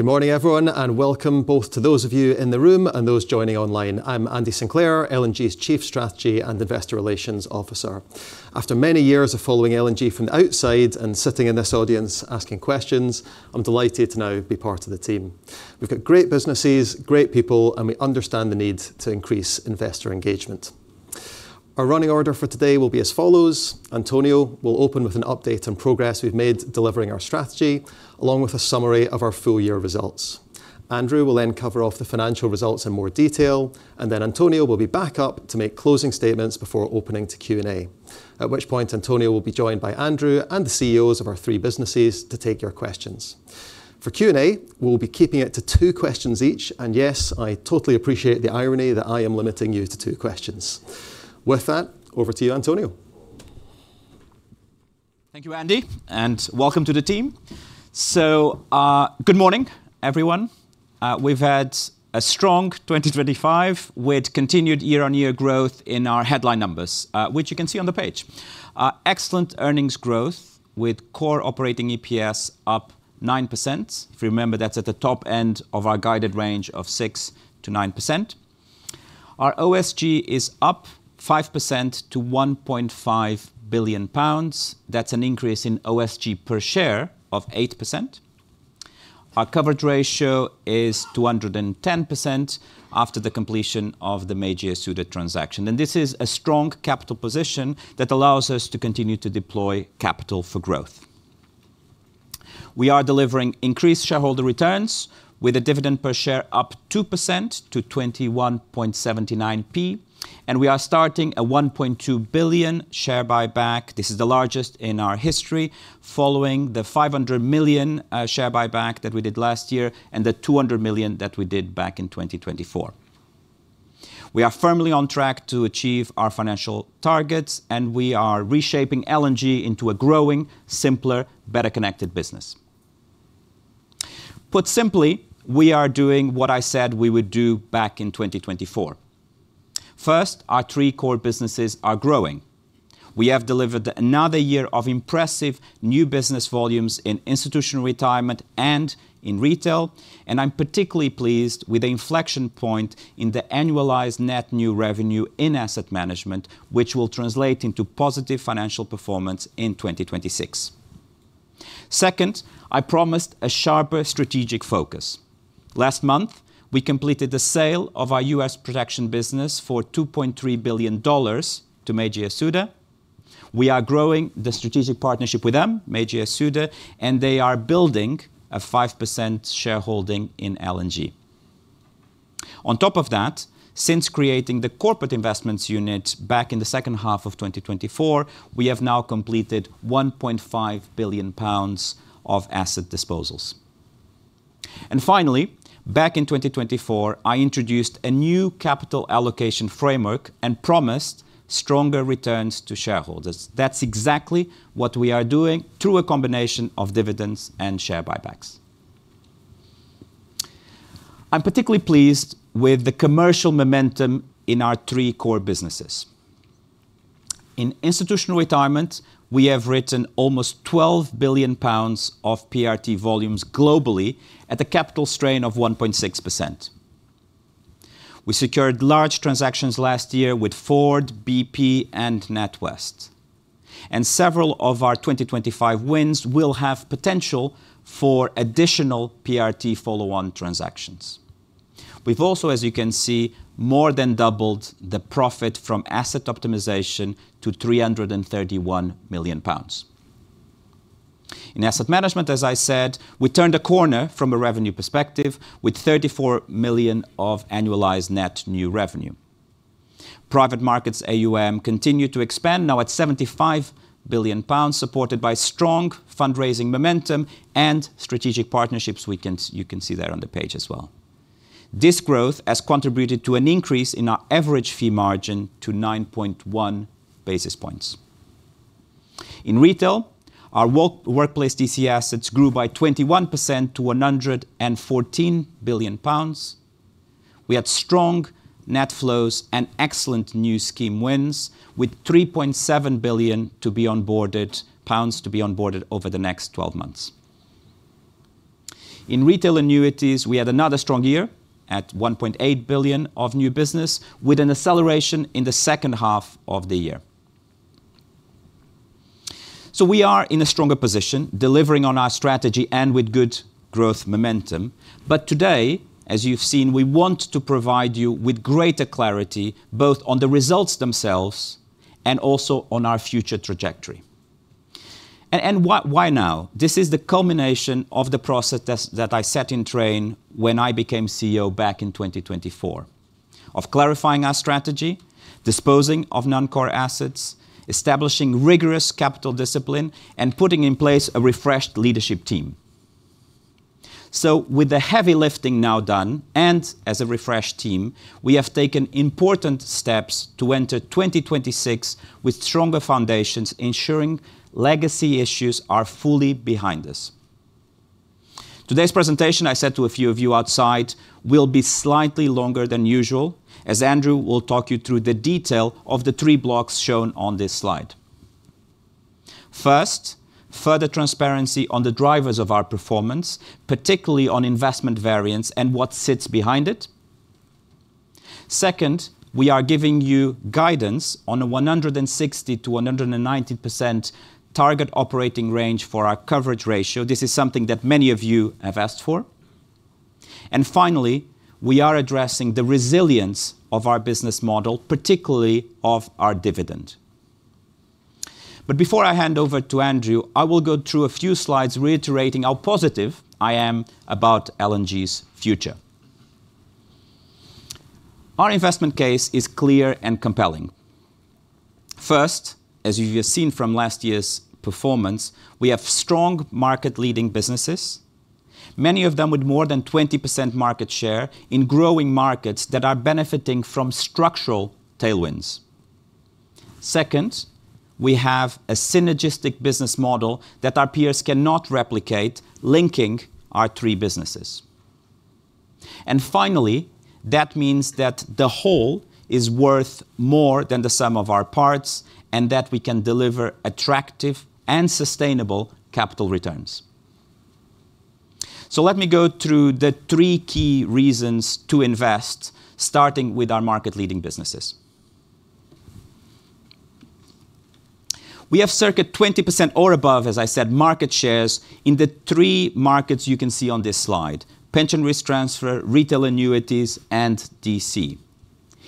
Good morning, everyone, and welcome both to those of you in the room and those joining online. I'm Andy Sinclair, L&G's Chief Strategy and Investor Relations Officer. After many years of following L&G from the outside and sitting in this audience asking questions, I'm delighted to now be part of the team. We've got great businesses, great people, and we understand the need to increase investor engagement. Our running order for today will be as follows. António will open with an update on progress we've made delivering our strategy, along with a summary of our full year results. Andrew will then cover off the financial results in more detail, and then António will be back up to make closing statements before opening to Q&A. At which point, António will be joined by Andrew and the CEOs of our three businesses to take your questions. For Q&A, we'll be keeping it to two questions each, and yes, I totally appreciate the irony that I am limiting you to two questions. With that, over to you, António. Thank you, Andy, and welcome to the team. Good morning, everyone. We've had a strong 2025 with continued year-on-year growth in our headline numbers, which you can see on the page. Our excellent earnings growth with core operating EPS up 9%. If you remember, that's at the top end of our guided range of 6%-9%. Our OSG is up 5% to 1.5 billion pounds. That's an increase in OSG per share of 8%. Our coverage ratio is 210% after the completion of the Meiji Yasuda transaction. This is a strong capital position that allows us to continue to deploy capital for growth. We are delivering increased shareholder returns with a dividend per share up 2% to 21.79p, and we are starting a 1.2 billion share buyback. This is the largest in our history following the 500 million share buyback that we did last year and the 200 million that we did back in 2024. We are firmly on track to achieve our financial targets, and we are reshaping L&G into a growing, simpler, better-connected business. Put simply, we are doing what I said we would do back in 2024. First, our three core businesses are growing. We have delivered another year of impressive new business volumes in Institutional Retirement and in Retail, and I'm particularly pleased with the inflection point in the annualized net new revenue in Asset Management, which will translate into positive financial performance in 2026. Second, I promised a sharper strategic focus. Last month, we completed the sale of our U.S. protection business for $2.3 billion to Meiji Yasuda. We are growing the strategic partnership with them, Meiji Yasuda, and they are building a 5% shareholding in L&G. On top of that, since creating the Corporate Investments Unit back in the second half of 2024, we have now completed 1.5 billion pounds of asset disposals. Finally, back in 2024, I introduced a new capital allocation framework and promised stronger returns to shareholders. That's exactly what we are doing through a combination of dividends and share buybacks. I'm particularly pleased with the commercial momentum in our three core businesses. In Institutional Retirement, we have written almost 12 billion pounds of PRT volumes globally at a capital strain of 1.6%. We secured large transactions last year with Ford, BP, and NatWest. Several of our 2025 wins will have potential for additional PRT follow-on transactions. We've also, as you can see, more than doubled the profit from asset optimization to 331 million pounds. In Asset Management, as I said, we turned a corner from a revenue perspective with 34 million of annualized net new revenue. Private markets AUM continue to expand now at 75 billion pounds, supported by strong fundraising momentum and strategic partnerships you can see there on the page as well. This growth has contributed to an increase in our average fee margin to 9.1 basis points. In Retail, our workplace DC assets grew by 21% to 114 billion pounds. We had strong net flows and excellent new scheme wins, with 3.7 billion pounds to be onboarded over the next twelve months. In Retail Annuities, we had another strong year at 1.8 billion of new business with an acceleration in the second half of the year. We are in a stronger position, delivering on our strategy and with good growth momentum. Today, as you've seen, we want to provide you with greater clarity, both on the results themselves and also on our future trajectory. Why now? This is the culmination of the process that I set in train when I became CEO back in 2024, of clarifying our strategy, disposing of non-core assets, establishing rigorous capital discipline, and putting in place a refreshed leadership team. With the heavy lifting now done, and as a refreshed team, we have taken important steps to enter 2026 with stronger foundations, ensuring legacy issues are fully behind us. Today's presentation, I said to a few of you outside, will be slightly longer than usual as Andrew will talk you through the detail of the three blocks shown on this slide. First, further transparency on the drivers of our performance, particularly on investment variance and what sits behind it. Second, we are giving you guidance on a 160%-190% target operating range for our coverage ratio. This is something that many of you have asked for. Finally, we are addressing the resilience of our business model, particularly of our dividend. Before I hand over to Andrew, I will go through a few slides reiterating how positive I am about L&G's future. Our investment case is clear and compelling. First, as you have seen from last year's performance, we have strong market-leading businesses, many of them with more than 20% market share in growing markets that are benefiting from structural tailwinds. Second, we have a synergistic business model that our peers cannot replicate, linking our three businesses. Finally, that means that the whole is worth more than the sum of our parts and that we can deliver attractive and sustainable capital returns. Let me go through the three key reasons to invest, starting with our market-leading businesses. We have circa 20% or above, as I said, market shares in the three markets you can see on this slide, pension risk transfer, retail annuities, and DC.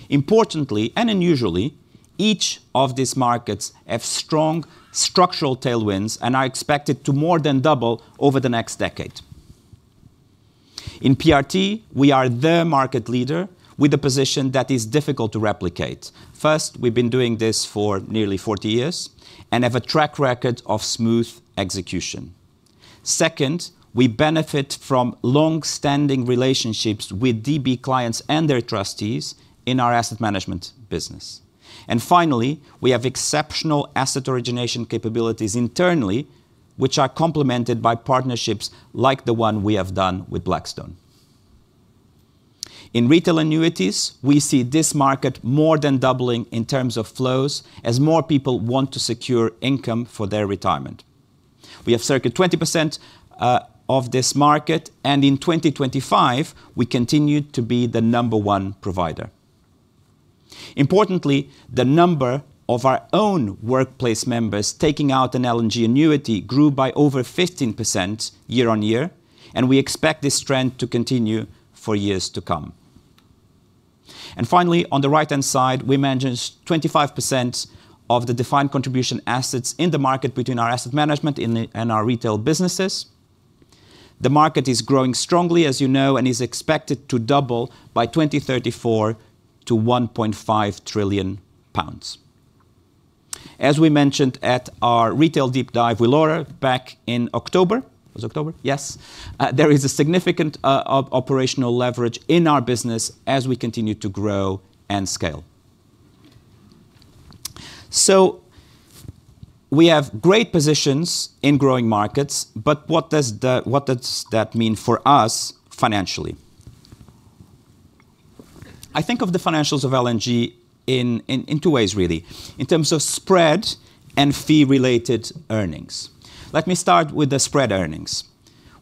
Importantly, and unusually, each of these markets have strong structural tailwinds and are expected to more than double over the next decade. In PRT, we are the market leader with a position that is difficult to replicate. First, we've been doing this for nearly 40 years and have a track record of smooth execution. Second, we benefit from long-standing relationships with DB clients and their trustees in our asset management business. Finally, we have exceptional asset origination capabilities internally, which are complemented by partnerships like the one we have done with Blackstone. In retail annuities, we see this market more than doubling in terms of flows as more people want to secure income for their retirement. We have circa 20% of this market, and in 2025, we continued to be the number one provider. Importantly, the number of our own workplace members taking out an L&G annuity grew by over 15% year-on-year, and we expect this trend to continue for years to come. Finally, on the right-hand side, we manage 25% of the defined contribution assets in the market between our asset management and our retail businesses. The market is growing strongly, as you know, and is expected to double by 2034 to 1.5 trillion pounds. As we mentioned at our retail deep dive with Laura back in October. Was it October? Yes. There is a significant operational leverage in our business as we continue to grow and scale. We have great positions in growing markets, but what does that mean for us financially? I think of the financials of L&G in two ways, really. In terms of spread and fee-related earnings. Let me start with the spread earnings.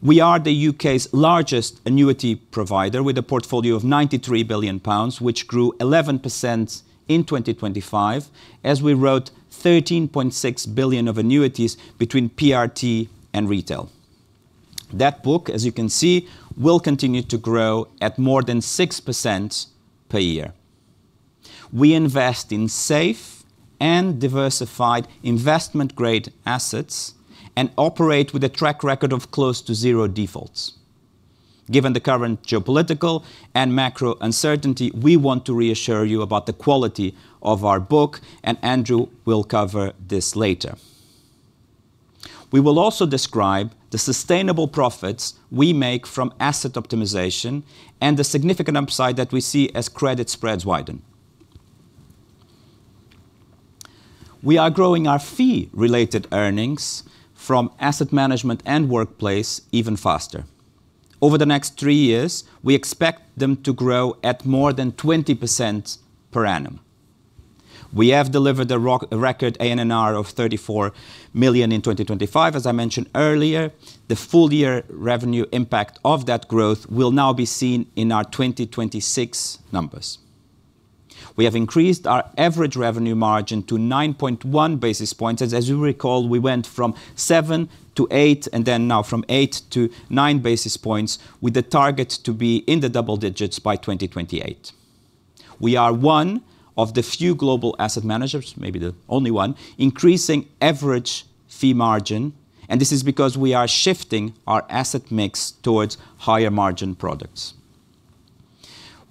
We are the U.K.'s largest annuity provider with a portfolio of 93 billion pounds, which grew 11% in 2025 as we wrote 13.6 billion of annuities between PRT and retail. That book, as you can see, will continue to grow at more than 6% per year. We invest in safe and diversified investment-grade assets and operate with a track record of close to zero defaults. Given the current geopolitical and macro uncertainty, we want to reassure you about the quality of our book, and Andrew will cover this later. We will also describe the sustainable profits we make from asset optimization and the significant upside that we see as credit spreads widen. We are growing our fee-related earnings from asset management and workplace even faster. Over the next three years, we expect them to grow at more than 20% per annum. We have delivered a record ANNR of 34 million in 2025, as I mentioned earlier. The full year revenue impact of that growth will now be seen in our 2026 numbers. We have increased our average revenue margin to 9.1 basis points. As you recall, we went from 7 to 8, and then now from 8 to 9 basis points, with the target to be in the double digits by 2028. We are one of the few global asset managers, maybe the only one, increasing average fee margin, and this is because we are shifting our asset mix towards higher margin products.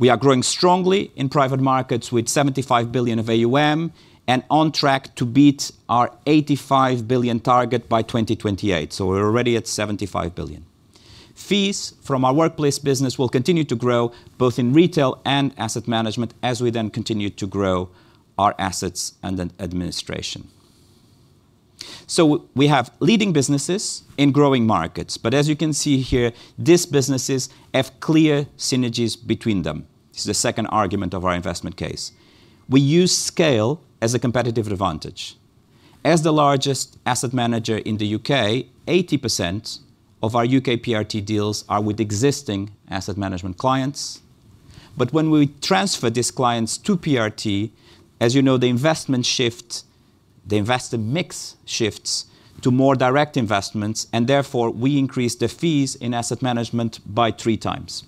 We are growing strongly in private markets with 75 billion of AUM and on track to beat our 85 billion target by 2028. We're already at 75 billion. Fees from our workplace business will continue to grow both in retail and asset management as we then continue to grow our assets under administration. We have leading businesses in growing markets. As you can see here, these businesses have clear synergies between them. This is the second argument of our investment case. We use scale as a competitive advantage. As the largest asset manager in the U.K., 80% of our U.K. PRT deals are with existing asset management clients. When we transfer these clients to PRT, as you know, the investment shift, the invested mix shifts to more direct investments, and therefore we increase the fees in asset management by three times.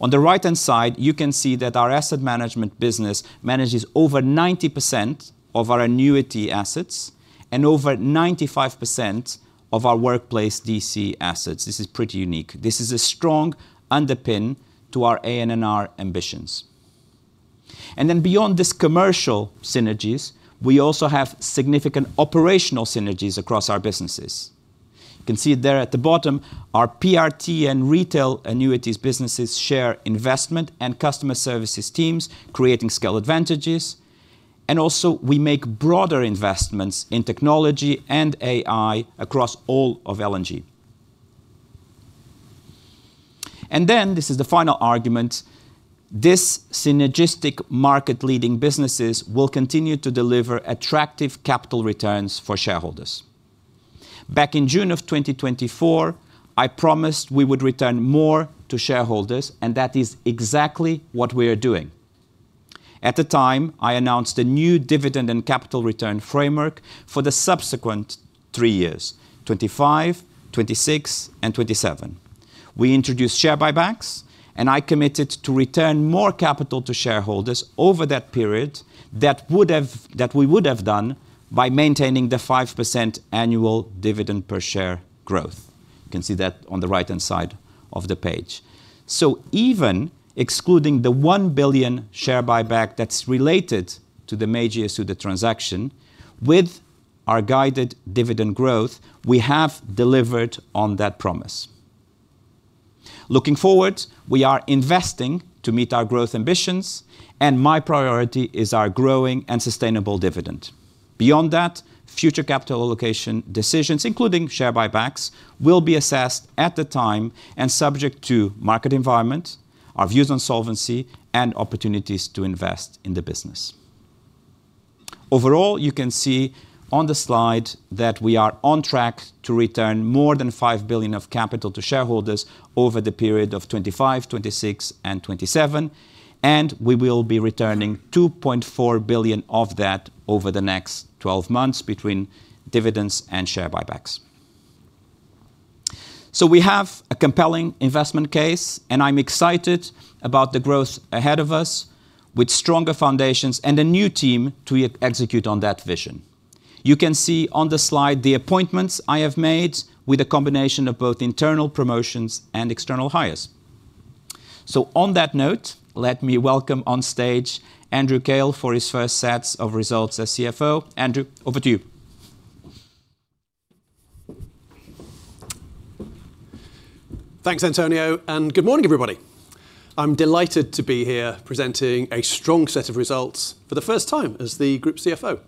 On the right-hand side, you can see that our asset management business manages over 90% of our annuity assets and over 95% of our workplace DC assets. This is pretty unique. This is a strong underpin to our ANNR ambitions. Beyond these commercial synergies, we also have significant operational synergies across our businesses. You can see there at the bottom, our PRT and retail annuities businesses share investment and customer services teams, creating scale advantages. We make broader investments in technology and AI across all of L&G. This is the final argument, these synergistic market-leading businesses will continue to deliver attractive capital returns for shareholders. Back in June of 2024, I promised we would return more to shareholders, and that is exactly what we are doing. At the time, I announced a new dividend and capital return framework for the subsequent three years, 2025, 2026, and 2027. We introduced share buybacks, and I committed to return more capital to shareholders over that period that we would have done by maintaining the 5% annual dividend per share growth. You can see that on the right-hand side of the page. Even excluding the 1 billion share buyback that's related to the Meiji Yasuda transaction, with our guided dividend growth, we have delivered on that promise. Looking forward, we are investing to meet our growth ambitions, and my priority is our growing and sustainable dividend. Beyond that, future capital allocation decisions, including share buybacks, will be assessed at the time and subject to market environment, our views on solvency, and opportunities to invest in the business. Overall, you can see on the slide that we are on track to return more than 5 billion of capital to shareholders over the period of 2025, 2026, and 2027, and we will be returning 2.4 billion of that over the next twelve months between dividends and share buybacks. We have a compelling investment case, and I'm excited about the growth ahead of us with stronger foundations and a new team to execute on that vision. You can see on the slide the appointments I have made with a combination of both internal promotions and external hires. On that note, let me welcome on stage Andrew Kail for his first set of results as CFO. Andrew, over to you. Thanks, António, and good morning, everybody. I'm delighted to be here presenting a strong set of results for the first time as the Group CFO.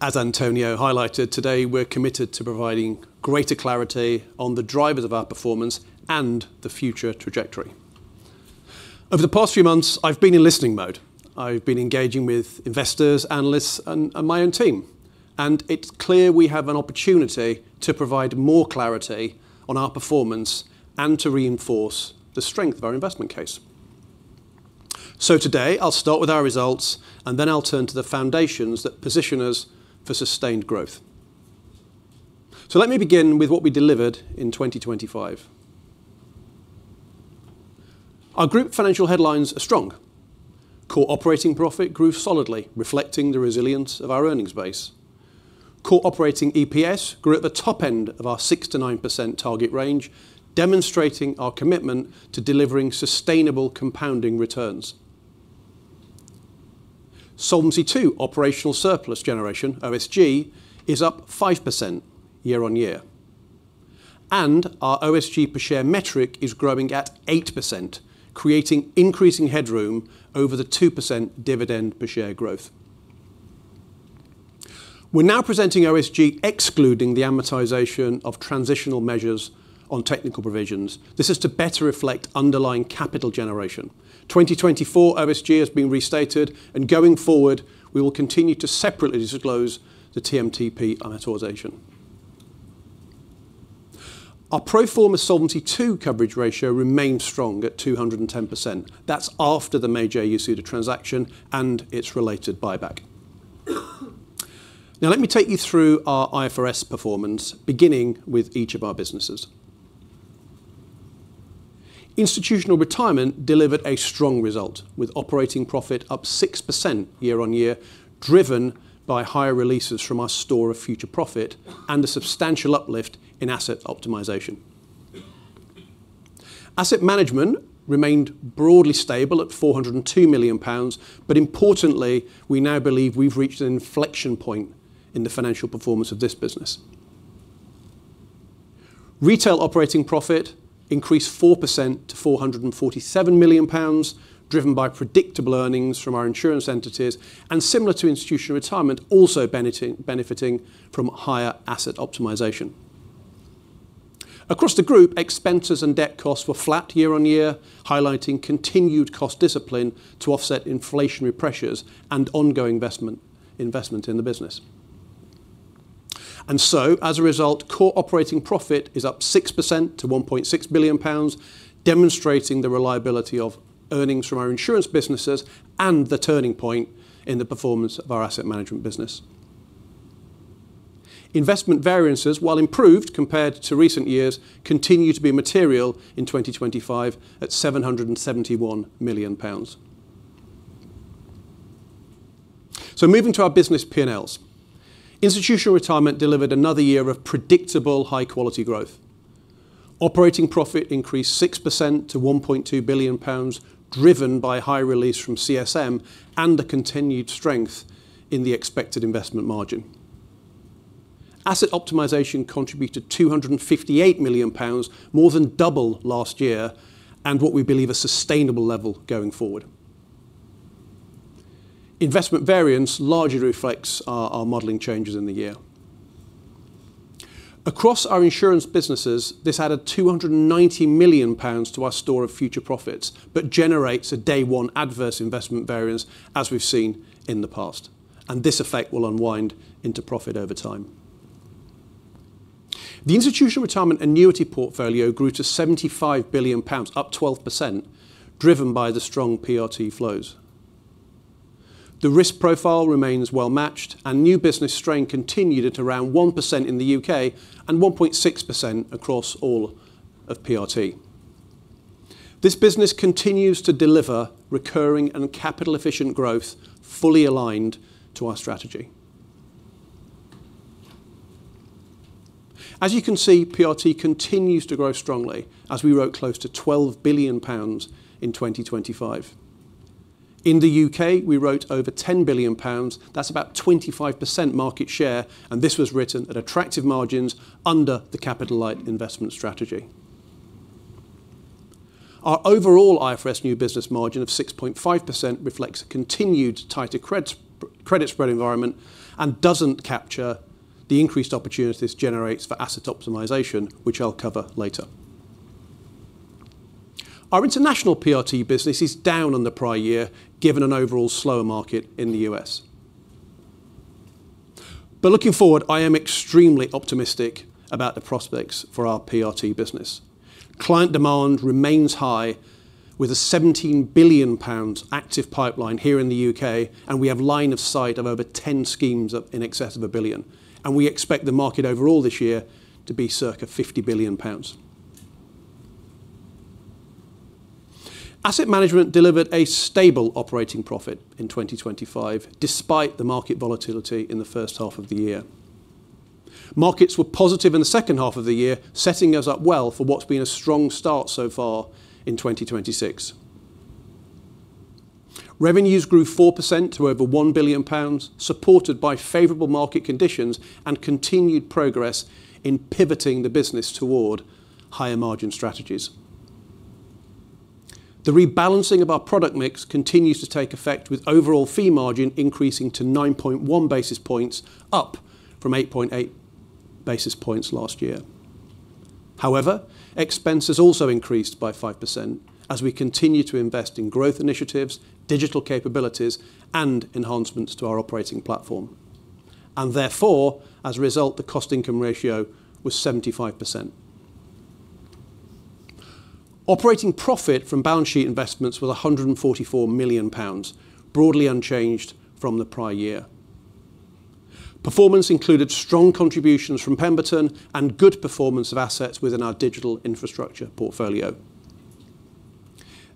As António highlighted today, we're committed to providing greater clarity on the drivers of our performance and the future trajectory. Over the past few months, I've been in listening mode. I've been engaging with investors, analysts, and my own team, and it's clear we have an opportunity to provide more clarity on our performance and to reinforce the strength of our investment case. Today, I'll start with our results, and then I'll turn to the foundations that position us for sustained growth. Let me begin with what we delivered in 2025. Our group financial headlines are strong. Core operating profit grew solidly, reflecting the resilience of our earnings base. Core operating EPS grew at the top end of our 6%-9% target range, demonstrating our commitment to delivering sustainable compounding returns. Solvency II operational surplus generation, OSG, is up 5% year-on-year. Our OSG per share metric is growing at 8%, creating increasing headroom over the 2% dividend per share growth. We're now presenting OSG excluding the amortization of transitional measures on technical provisions. This is to better reflect underlying capital generation. 2024 OSG has been restated and going forward, we will continue to separately disclose the TMTP amortization. Our pro forma Solvency II coverage ratio remains strong at 210%. That's after the Meiji Yasuda transaction and its related buyback. Now let me take you through our IFRS performance, beginning with each of our businesses. Institutional retirement delivered a strong result, with operating profit up 6% year-on-year, driven by higher releases from our store of future profit and a substantial uplift in asset optimization. Asset management remained broadly stable at 402 million pounds, but importantly, we now believe we've reached an inflection point in the financial performance of this business. Retail operating profit increased 4% to 447 million pounds, driven by predictable earnings from our insurance entities, and similar to institutional retirement, also benefiting from higher asset optimization. Across the group, expenses and debt costs were flat year-on-year, highlighting continued cost discipline to offset inflationary pressures and ongoing investment in the business. As a result, core operating profit is up 6% to 1.6 billion pounds, demonstrating the reliability of earnings from our insurance businesses and the turning point in the performance of our Asset Management business. Investment variances, while improved compared to recent years, continue to be material in 2025 at 771 million pounds. Moving to our business P&Ls. Institutional Retirement delivered another year of predictable high-quality growth. Operating profit increased 6% to 1.2 billion pounds, driven by high release from CSM and the continued strength in the expected investment margin. Asset optimization contributed 258 million pounds, more than double last year and what we believe a sustainable level going forward. Investment variance largely reflects our modeling changes in the year. Across our insurance businesses, this added 290 million pounds to our store of future profits, but generates a day one adverse investment variance, as we've seen in the past, and this effect will unwind into profit over time. The Institutional Retirement annuity portfolio grew to 75 billion pounds, up 12%, driven by the strong PRT flows. The risk profile remains well matched and new business strain continued at around 1% in the U.K. and 1.6% across all of PRT. This business continues to deliver recurring and capital-efficient growth, fully aligned to our strategy. As you can see, PRT continues to grow strongly as we wrote close to 12 billion pounds in 2025. In the U.K., we wrote over 10 billion pounds. That's about 25% market share, and this was written at attractive margins under the capital-light investment strategy. Our overall IFRS new business margin of 6.5% reflects a continued tighter credit spread environment and doesn't capture the increased opportunities this generates for asset optimization, which I'll cover later. Our international PRT business is down on the prior year, given an overall slower market in the U.S.. Looking forward, I am extremely optimistic about the prospects for our PRT business. Client demand remains high with a 17 billion pounds active pipeline here in the U.K., and we have line of sight of over 10 schemes of in excess of 1 billion, and we expect the market overall this year to be circa 50 billion pounds. Asset Management delivered a stable operating profit in 2025, despite the market volatility in the first half of the year. Markets were positive in the second half of the year, setting us up well for what's been a strong start so far in 2026. Revenues grew 4% to over 1 billion pounds, supported by favorable market conditions and continued progress in pivoting the business toward higher margin strategies. The rebalancing of our product mix continues to take effect with overall fee margin increasing to 9.1 basis points, up from 8.8 basis points last year. However, expenses also increased by 5% as we continue to invest in growth initiatives, digital capabilities, and enhancements to our operating platform. Therefore, as a result, the cost income ratio was 75%. Operating profit from balance sheet investments was 144 million pounds, broadly unchanged from the prior year. Performance included strong contributions from Pemberton and good performance of assets within our digital infrastructure portfolio.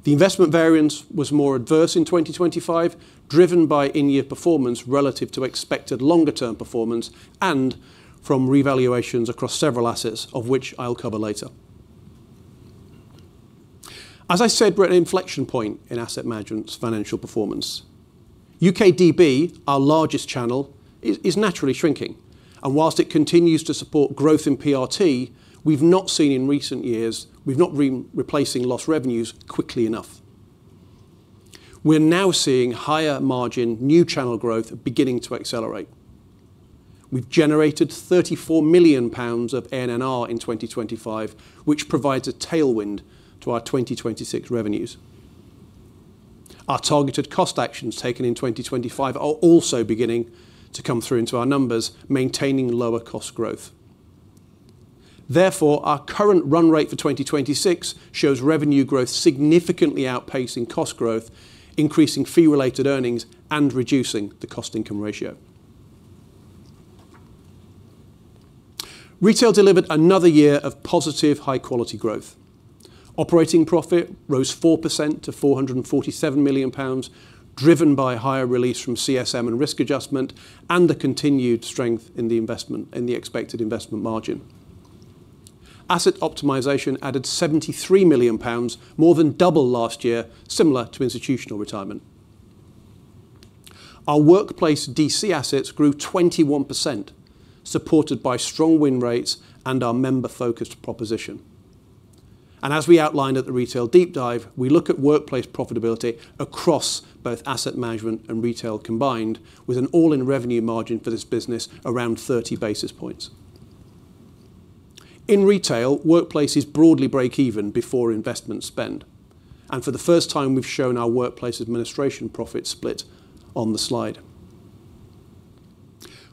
The investment variance was more adverse in 2025, driven by in-year performance relative to expected longer term performance and from revaluations across several assets, of which I'll cover later. As I said, we're at an inflection point in asset management's financial performance. U.K. DB, our largest channel, is naturally shrinking. While it continues to support growth in PRT, we've not been replacing lost revenues quickly enough. We're now seeing higher margin new channel growth beginning to accelerate. We've generated 34 million pounds of ANNR in 2025, which provides a tailwind to our 2026 revenues. Our targeted cost actions taken in 2025 are also beginning to come through into our numbers, maintaining lower cost growth. Therefore, our current run rate for 2026 shows revenue growth significantly outpacing cost growth, increasing fee related earnings and reducing the cost income ratio. Retail delivered another year of positive high-quality growth. Operating profit rose 4% to 447 million pounds, driven by higher release from CSM and risk adjustment and the continued strength in the expected investment margin. Asset optimization added 73 million pounds, more than double last year, similar to Institutional Retirement. Our workplace DC assets grew 21%, supported by strong win rates and our member-focused proposition. As we outlined at the Retail deep dive, we look at workplace profitability across both Asset Management and Retail combined with an all-in revenue margin for this business around 30 basis points. In Retail, workplace is broadly break even before investment spend. For the first time, we've shown our workplace administration profit split on the slide.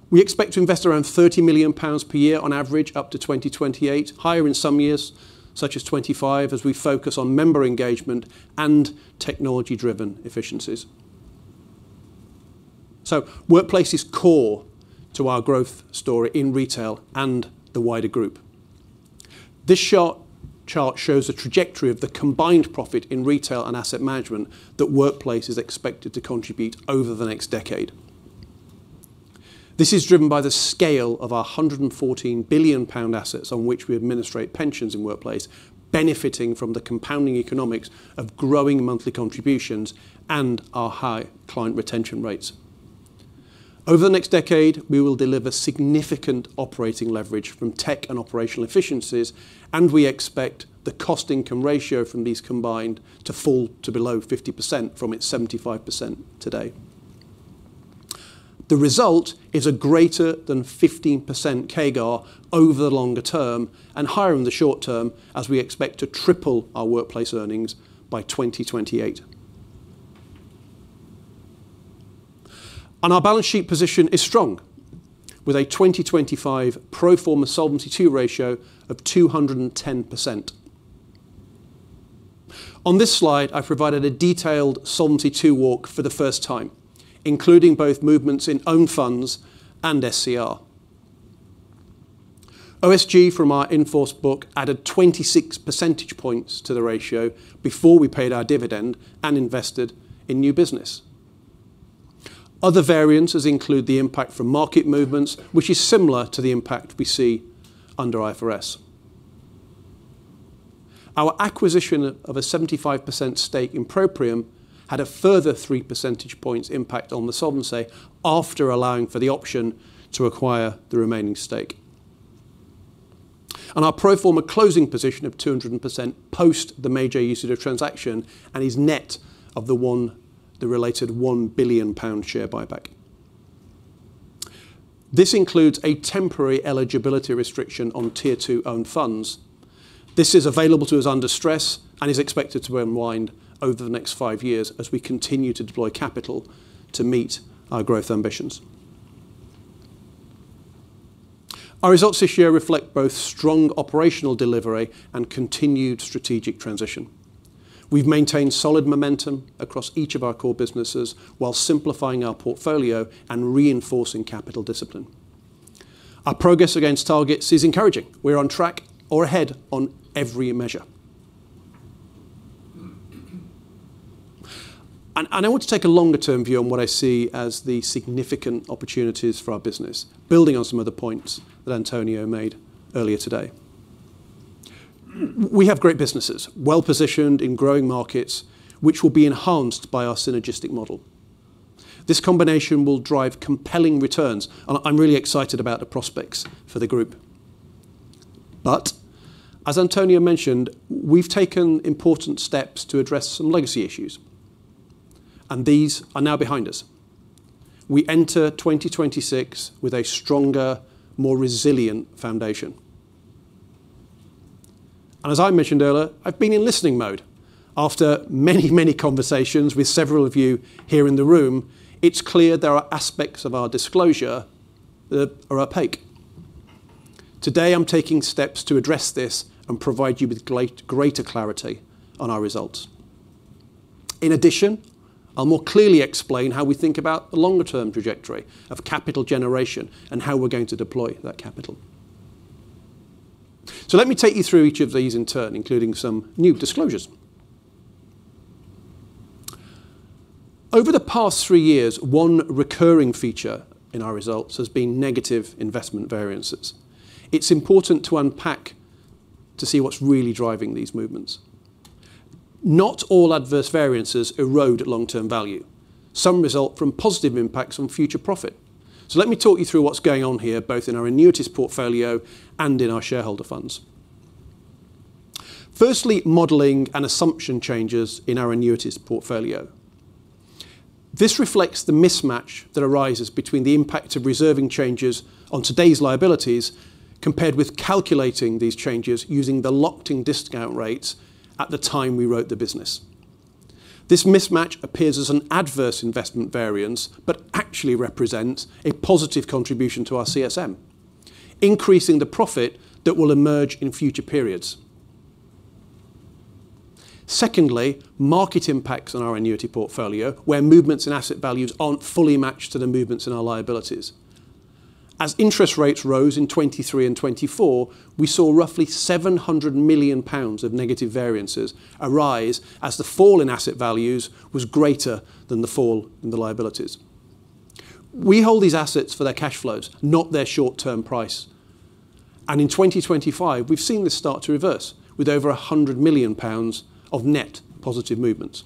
We expect to invest around 30 million pounds per year on average up to 2028, higher in some years, such as 2025, as we focus on member engagement and technology-driven efficiencies. Workplace is core to our growth story in retail and the wider group. This chart shows the trajectory of the combined profit in retail and asset management that workplace is expected to contribute over the next decade. This is driven by the scale of our 114 billion pound assets on which we administrate pensions in workplace, benefiting from the compounding economics of growing monthly contributions and our high client retention rates. Over the next decade, we will deliver significant operating leverage from tech and operational efficiencies, and we expect the cost income ratio from these combined to fall to below 50% from its 75% today. The result is a greater than 15% CAGR over the longer term and higher in the short term as we expect to triple our workplace earnings by 2028. Our balance sheet position is strong with a 2025 pro forma Solvency II ratio of 210%. On this slide, I've provided a detailed Solvency II walk for the first time, including both movements in own funds and SCR. OSG from our in-force book added 26 percentage points to the ratio before we paid our dividend and invested in new business. Other variances include the impact from market movements, which is similar to the impact we see under IFRS. Our acquisition of a 75% stake in Proprium had a further 3 percentage points impact on the solvency after allowing for the option to acquire the remaining stake. Our pro forma closing position of 200% post the major uses of the transaction and is net of the related 1 billion pound share buyback. This includes a temporary eligibility restriction on Tier 2 own funds. This is available to us under stress and is expected to unwind over the next five years as we continue to deploy capital to meet our growth ambitions. Our results this year reflect both strong operational delivery and continued strategic transition. We've maintained solid momentum across each of our core businesses while simplifying our portfolio and reinforcing capital discipline. Our progress against targets is encouraging. We're on track or ahead on every measure. I want to take a longer-term view on what I see as the significant opportunities for our business, building on some of the points that António made earlier today. We have great businesses, well-positioned in growing markets, which will be enhanced by our synergistic model. This combination will drive compelling returns. I'm really excited about the prospects for the group. As António mentioned, we've taken important steps to address some legacy issues, and these are now behind us. We enter 2026 with a stronger, more resilient foundation. As I mentioned earlier, I've been in listening mode. After many, many conversations with several of you here in the room, it's clear there are aspects of our disclosure that are opaque. Today, I'm taking steps to address this and provide you with greater clarity on our results. In addition, I'll more clearly explain how we think about the longer-term trajectory of capital generation and how we're going to deploy that capital. Let me take you through each of these in turn, including some new disclosures. Over the past three years, one recurring feature in our results has been negative investment variances. It's important to unpack to see what's really driving these movements. Not all adverse variances erode long-term value. Some result from positive impacts on future profit. Let me talk you through what's going on here, both in our annuities portfolio and in our shareholder funds. Firstly, modeling and assumption changes in our annuities portfolio. This reflects the mismatch that arises between the impact of reserving changes on today's liabilities compared with calculating these changes using the locked-in discount rates at the time we wrote the business. This mismatch appears as an adverse investment variance, but actually represents a positive contribution to our CSM, increasing the profit that will emerge in future periods. Secondly, market impacts on our annuity portfolio, where movements in asset values aren't fully matched to the movements in our liabilities. As interest rates rose in 2023 and 2024, we saw roughly 700 million pounds of negative variances arise as the fall in asset values was greater than the fall in the liabilities. We hold these assets for their cash flows, not their short-term price. In 2025, we've seen this start to reverse with over 100 million pounds of net positive movements.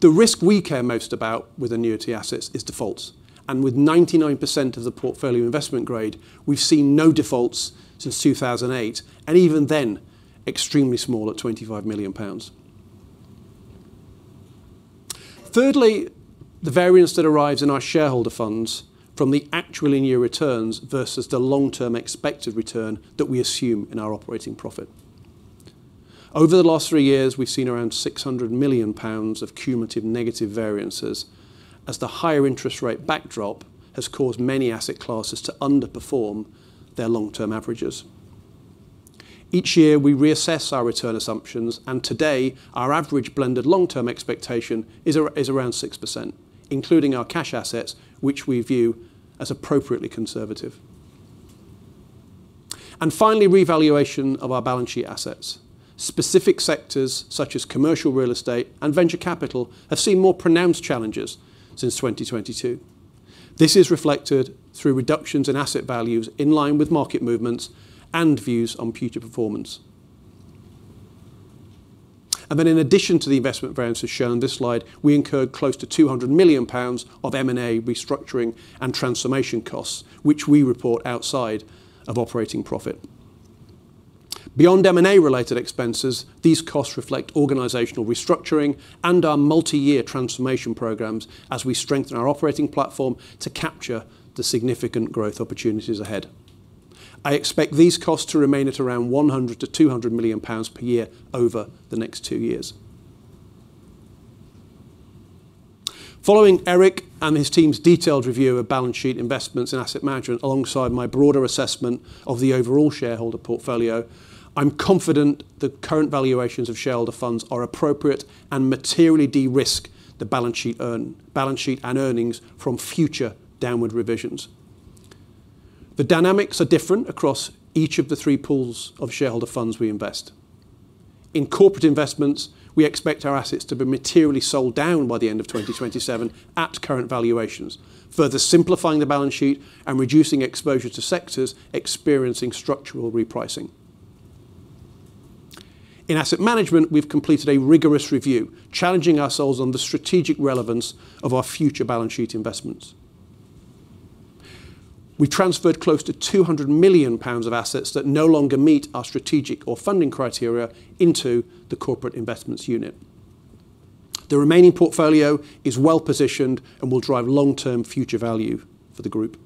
The risk we care most about with annuity assets is defaults. With 99% of the portfolio investment grade, we've seen no defaults since 2008, and even then, extremely small at 25 million pounds. Thirdly, the variance that arrives in our shareholder funds from the actual linear returns versus the long-term expected return that we assume in our operating profit. Over the last three years, we've seen around 600 million pounds of cumulative negative variances as the higher interest rate backdrop has caused many asset classes to underperform their long-term averages. Each year, we reassess our return assumptions, and today, our average blended long-term expectation is around 6%, including our cash assets, which we view as appropriately conservative. Finally, revaluation of our balance sheet assets. Specific sectors such as commercial real estate and venture capital have seen more pronounced challenges since 2022. This is reflected through reductions in asset values in line with market movements and views on future performance. In addition to the investment variance as shown in this slide, we incurred close to 200 million pounds of M&A restructuring and transformation costs, which we report outside of operating profit. Beyond M&A related expenses, these costs reflect organizational restructuring and our multi-year transformation programs as we strengthen our operating platform to capture the significant growth opportunities ahead. I expect these costs to remain at around 100 million-200 million pounds per year over the next two years. Following Eric and his team's detailed review of balance sheet investments in asset management, alongside my broader assessment of the overall shareholder portfolio, I'm confident the current valuations of shareholder funds are appropriate and materially de-risk the balance sheet and earnings from future downward revisions. The dynamics are different across each of the three pools of shareholder funds we invest. In corporate investments, we expect our assets to be materially sold down by the end of 2027 at current valuations, further simplifying the balance sheet and reducing exposure to sectors experiencing structural repricing. In Asset Management, we've completed a rigorous review, challenging ourselves on the strategic relevance of our future balance sheet investments. We transferred close to 200 million pounds of assets that no longer meet our strategic or funding criteria into the Corporate Investments Unit. The remaining portfolio is well-positioned and will drive long-term future value for the group.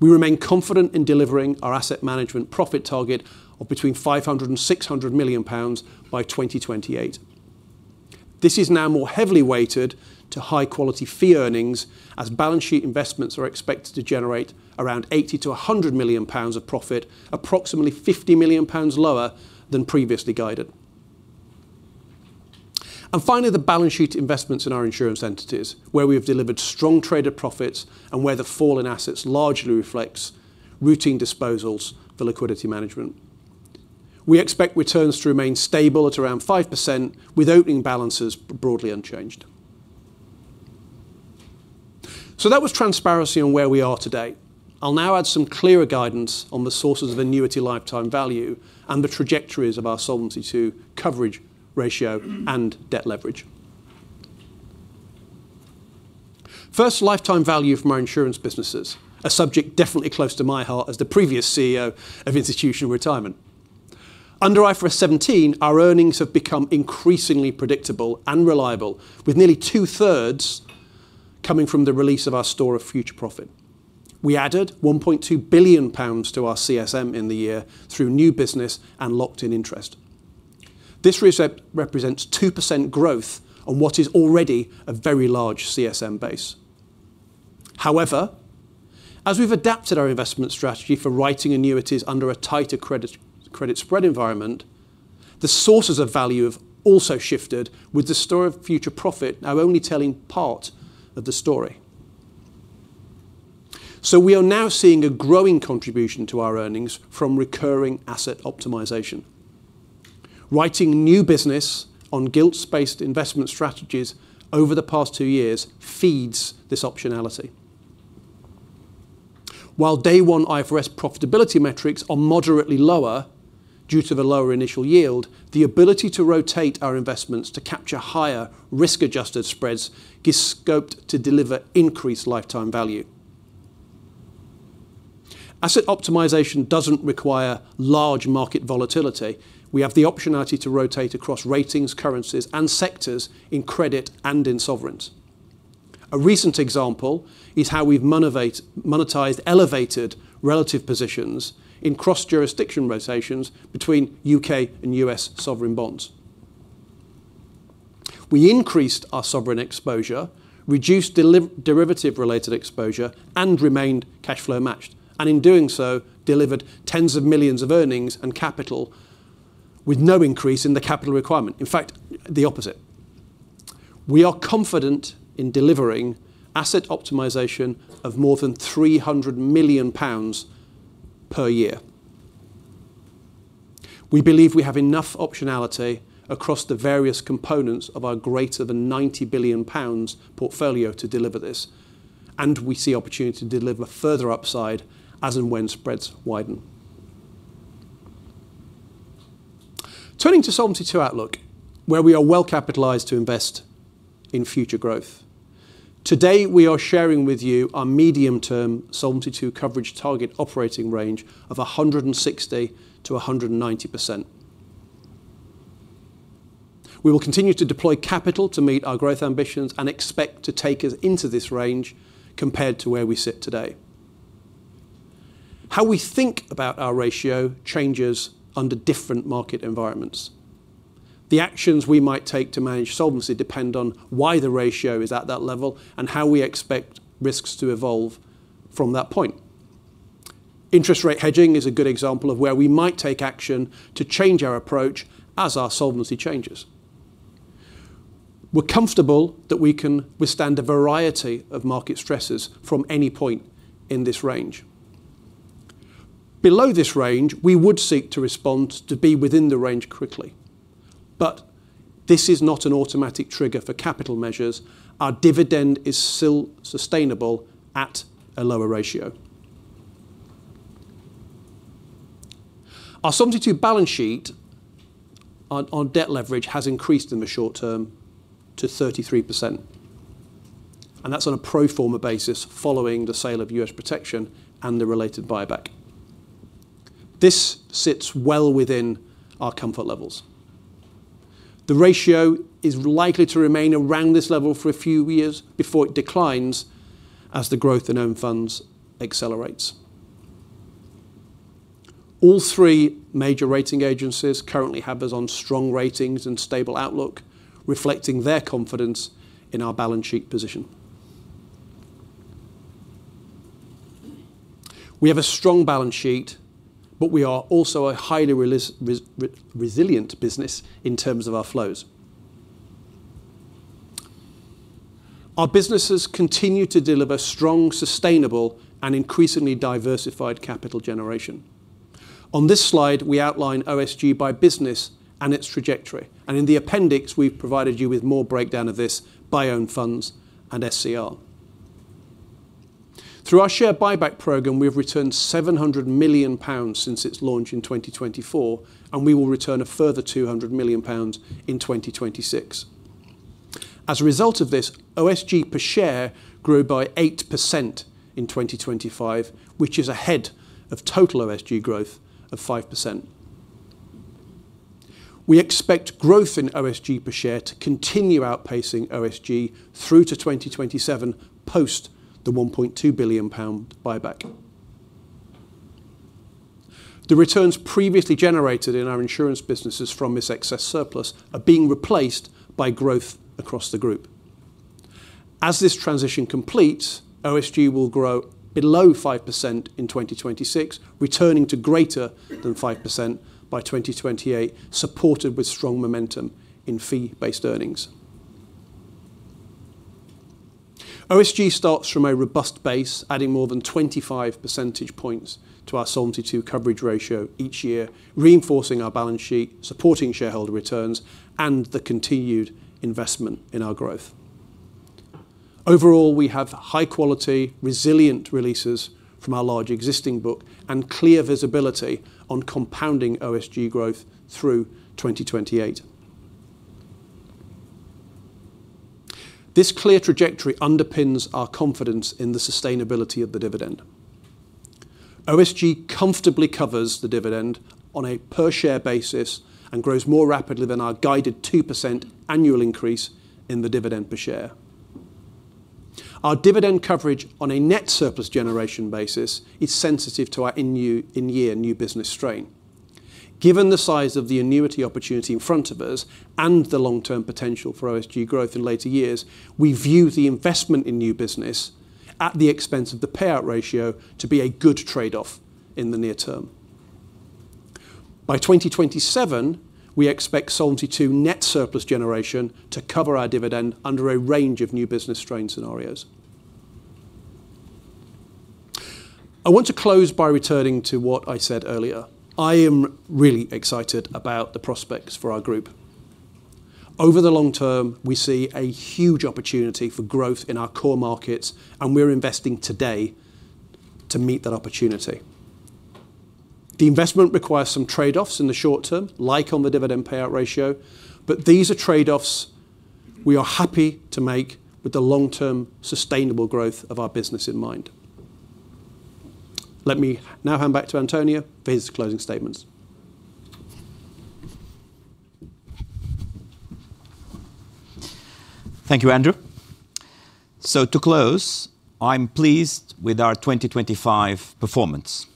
We remain confident in delivering our Asset Management profit target of between 500 million pounds and 600 million pounds by 2028. This is now more heavily weighted to high-quality fee earnings as balance sheet investments are expected to generate around 80 million-100 million pounds of profit, approximately 50 million pounds lower than previously guided. Finally, the balance sheet investments in our insurance entities, where we have delivered strong traded profits and where the fall in assets largely reflects routine disposals for liquidity management. We expect returns to remain stable at around 5% with opening balances broadly unchanged. That was transparency on where we are today. I'll now add some clearer guidance on the sources of annuity lifetime value and the trajectories of our Solvency II coverage ratio and debt leverage. First, lifetime value from our insurance businesses, a subject definitely close to my heart as the previous CEO of Institutional Retirement. Under IFRS 17, our earnings have become increasingly predictable and reliable, with nearly two-thirds coming from the release of our store of future profit. We added 1.2 billion pounds to our CSM in the year through new business and locked-in interest. This represents 2% growth on what is already a very large CSM base. However, as we've adapted our investment strategy for writing annuities under a tighter credit spread environment, the sources of value have also shifted with the store of future profit now only telling part of the story. We are now seeing a growing contribution to our earnings from recurring asset optimization. Writing new business on gilts-based investment strategies over the past two years feeds this optionality. While day one IFRS profitability metrics are moderately lower due to the lower initial yield, the ability to rotate our investments to capture higher risk-adjusted spreads is scoped to deliver increased lifetime value. Asset optimization doesn't require large market volatility. We have the optionality to rotate across ratings, currencies, and sectors in credit and in sovereigns. A recent example is how we've monetized elevated relative positions in cross-jurisdiction rotations between U.K. and U.S. sovereign bonds. We increased our sovereign exposure, reduced derivative-related exposure, and remained cash flow matched, and in doing so, delivered GBP tens of millions of earnings and capital with no increase in the capital requirement. In fact, the opposite. We are confident in delivering asset optimization of more than 300 million pounds per year. We believe we have enough optionality across the various components of our greater than 90 billion pounds portfolio to deliver this, and we see opportunity to deliver further upside as and when spreads widen. Turning to Solvency II outlook, where we are well capitalized to invest in future growth. Today, we are sharing with you our medium-term Solvency II coverage target operating range of 160%-190%. We will continue to deploy capital to meet our growth ambitions and expect to take us into this range compared to where we sit today. How we think about our ratio changes under different market environments. The actions we might take to manage solvency depend on why the ratio is at that level and how we expect risks to evolve from that point. Interest rate hedging is a good example of where we might take action to change our approach as our solvency changes. We're comfortable that we can withstand a variety of market stresses from any point in this range. Below this range, we would seek to respond to be within the range quickly. This is not an automatic trigger for capital measures. Our dividend is still sustainable at a lower ratio. Our Solvency II balance sheet on debt leverage has increased in the short term to 33%, and that's on a pro forma basis following the sale of U.S. protection and the related buyback. This sits well within our comfort levels. The ratio is likely to remain around this level for a few years before it declines as the growth in own funds accelerates. All three major rating agencies currently have us on strong ratings and stable outlook, reflecting their confidence in our balance sheet position. We have a strong balance sheet, but we are also a highly resilient business in terms of our flows. Our businesses continue to deliver strong, sustainable and increasingly diversified capital generation. On this slide, we outline OSG by business and its trajectory, and in the appendix, we've provided you with more breakdown of this by own funds and SCR. Through our share buyback program, we have returned 700 million pounds since its launch in 2024, and we will return a further 200 million pounds in 2026. As a result of this, OSG per share grew by 8% in 2025, which is ahead of total OSG growth of 5%. We expect growth in OSG per share to continue outpacing OSG through to 2027 post the GBP 1.2 billion buyback. The returns previously generated in our insurance businesses from this excess surplus are being replaced by growth across the group. As this transition completes, OSG will grow below 5% in 2026, returning to greater than 5% by 2028, supported with strong momentum in fee-based earnings. OSG starts from a robust base, adding more than 25 percentage points to our Solvency II coverage ratio each year, reinforcing our balance sheet, supporting shareholder returns, and the continued investment in our growth. Overall, we have high quality, resilient releases from our large existing book and clear visibility on compounding OSG growth through 2028. This clear trajectory underpins our confidence in the sustainability of the dividend. OSG comfortably covers the dividend on a per share basis and grows more rapidly than our guided 2% annual increase in the dividend per share. Our dividend coverage on a net surplus generation basis is sensitive to our in-year new business strain. Given the size of the annuity opportunity in front of us and the long-term potential for OSG growth in later years, we view the investment in new business at the expense of the payout ratio to be a good trade-off in the near term. By 2027, we expect Solvency II net surplus generation to cover our dividend under a range of new business strain scenarios. I want to close by returning to what I said earlier. I am really excited about the prospects for our group. Over the long term, we see a huge opportunity for growth in our core markets, and we're investing today to meet that opportunity. The investment requires some trade-offs in the short term, like on the dividend payout ratio, but these are trade-offs we are happy to make with the long-term sustainable growth of our business in mind. Let me now hand back to António for his closing statements. Thank you, Andrew. To close, I'm pleased with our 2025 performance.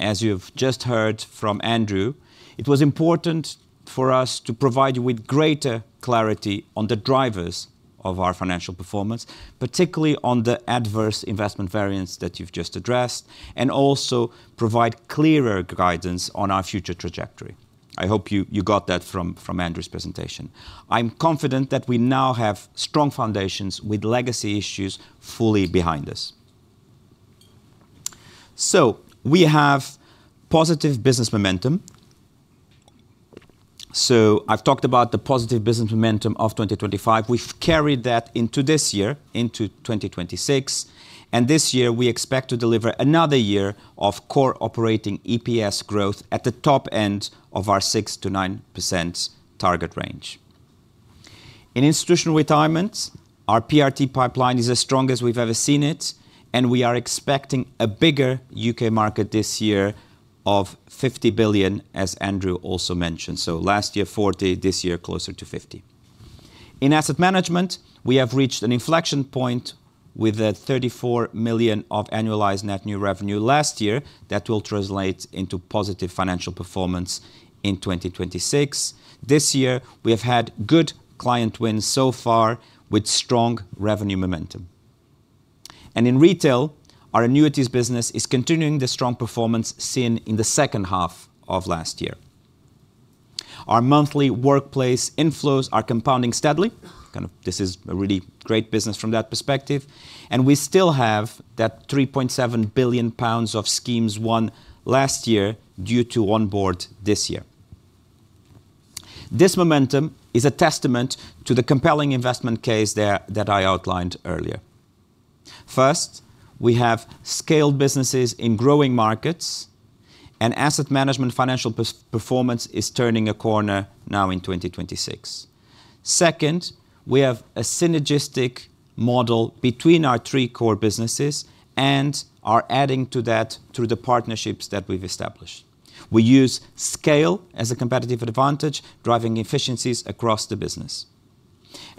As you've just heard from Andrew, it was important for us to provide you with greater clarity on the drivers of our financial performance, particularly on the adverse investment variance that you've just addressed, and also provide clearer guidance on our future trajectory. I hope you got that from Andrew's presentation. I'm confident that we now have strong foundations with legacy issues fully behind us. We have positive business momentum. I've talked about the positive business momentum of 2025. We've carried that into this year, into 2026, and this year we expect to deliver another year of core operating EPS growth at the top end of our 6%-9% target range. In institutional retirements, our PRT pipeline is as strong as we've ever seen it, and we are expecting a bigger U.K. market this year of 50 billion, as Andrew also mentioned. Last year, 40 billion, this year, closer to 50 billion. In asset management, we have reached an inflection point with the 34 million of annualized net new revenue last year that will translate into positive financial performance in 2026. This year we have had good client wins so far with strong revenue momentum. In retail, our annuities business is continuing the strong performance seen in the second half of last year. Our monthly workplace inflows are compounding steadily, kind of this is a really great business from that perspective, and we still have that 3.7 billion pounds of schemes won last year due to onboard this year. This momentum is a testament to the compelling investment case that I outlined earlier. First, we have scaled businesses in growing markets and Asset Management financial performance is turning a corner now in 2026. Second, we have a synergistic model between our three core businesses and are adding to that through the partnerships that we've established. We use scale as a competitive advantage, driving efficiencies across the business.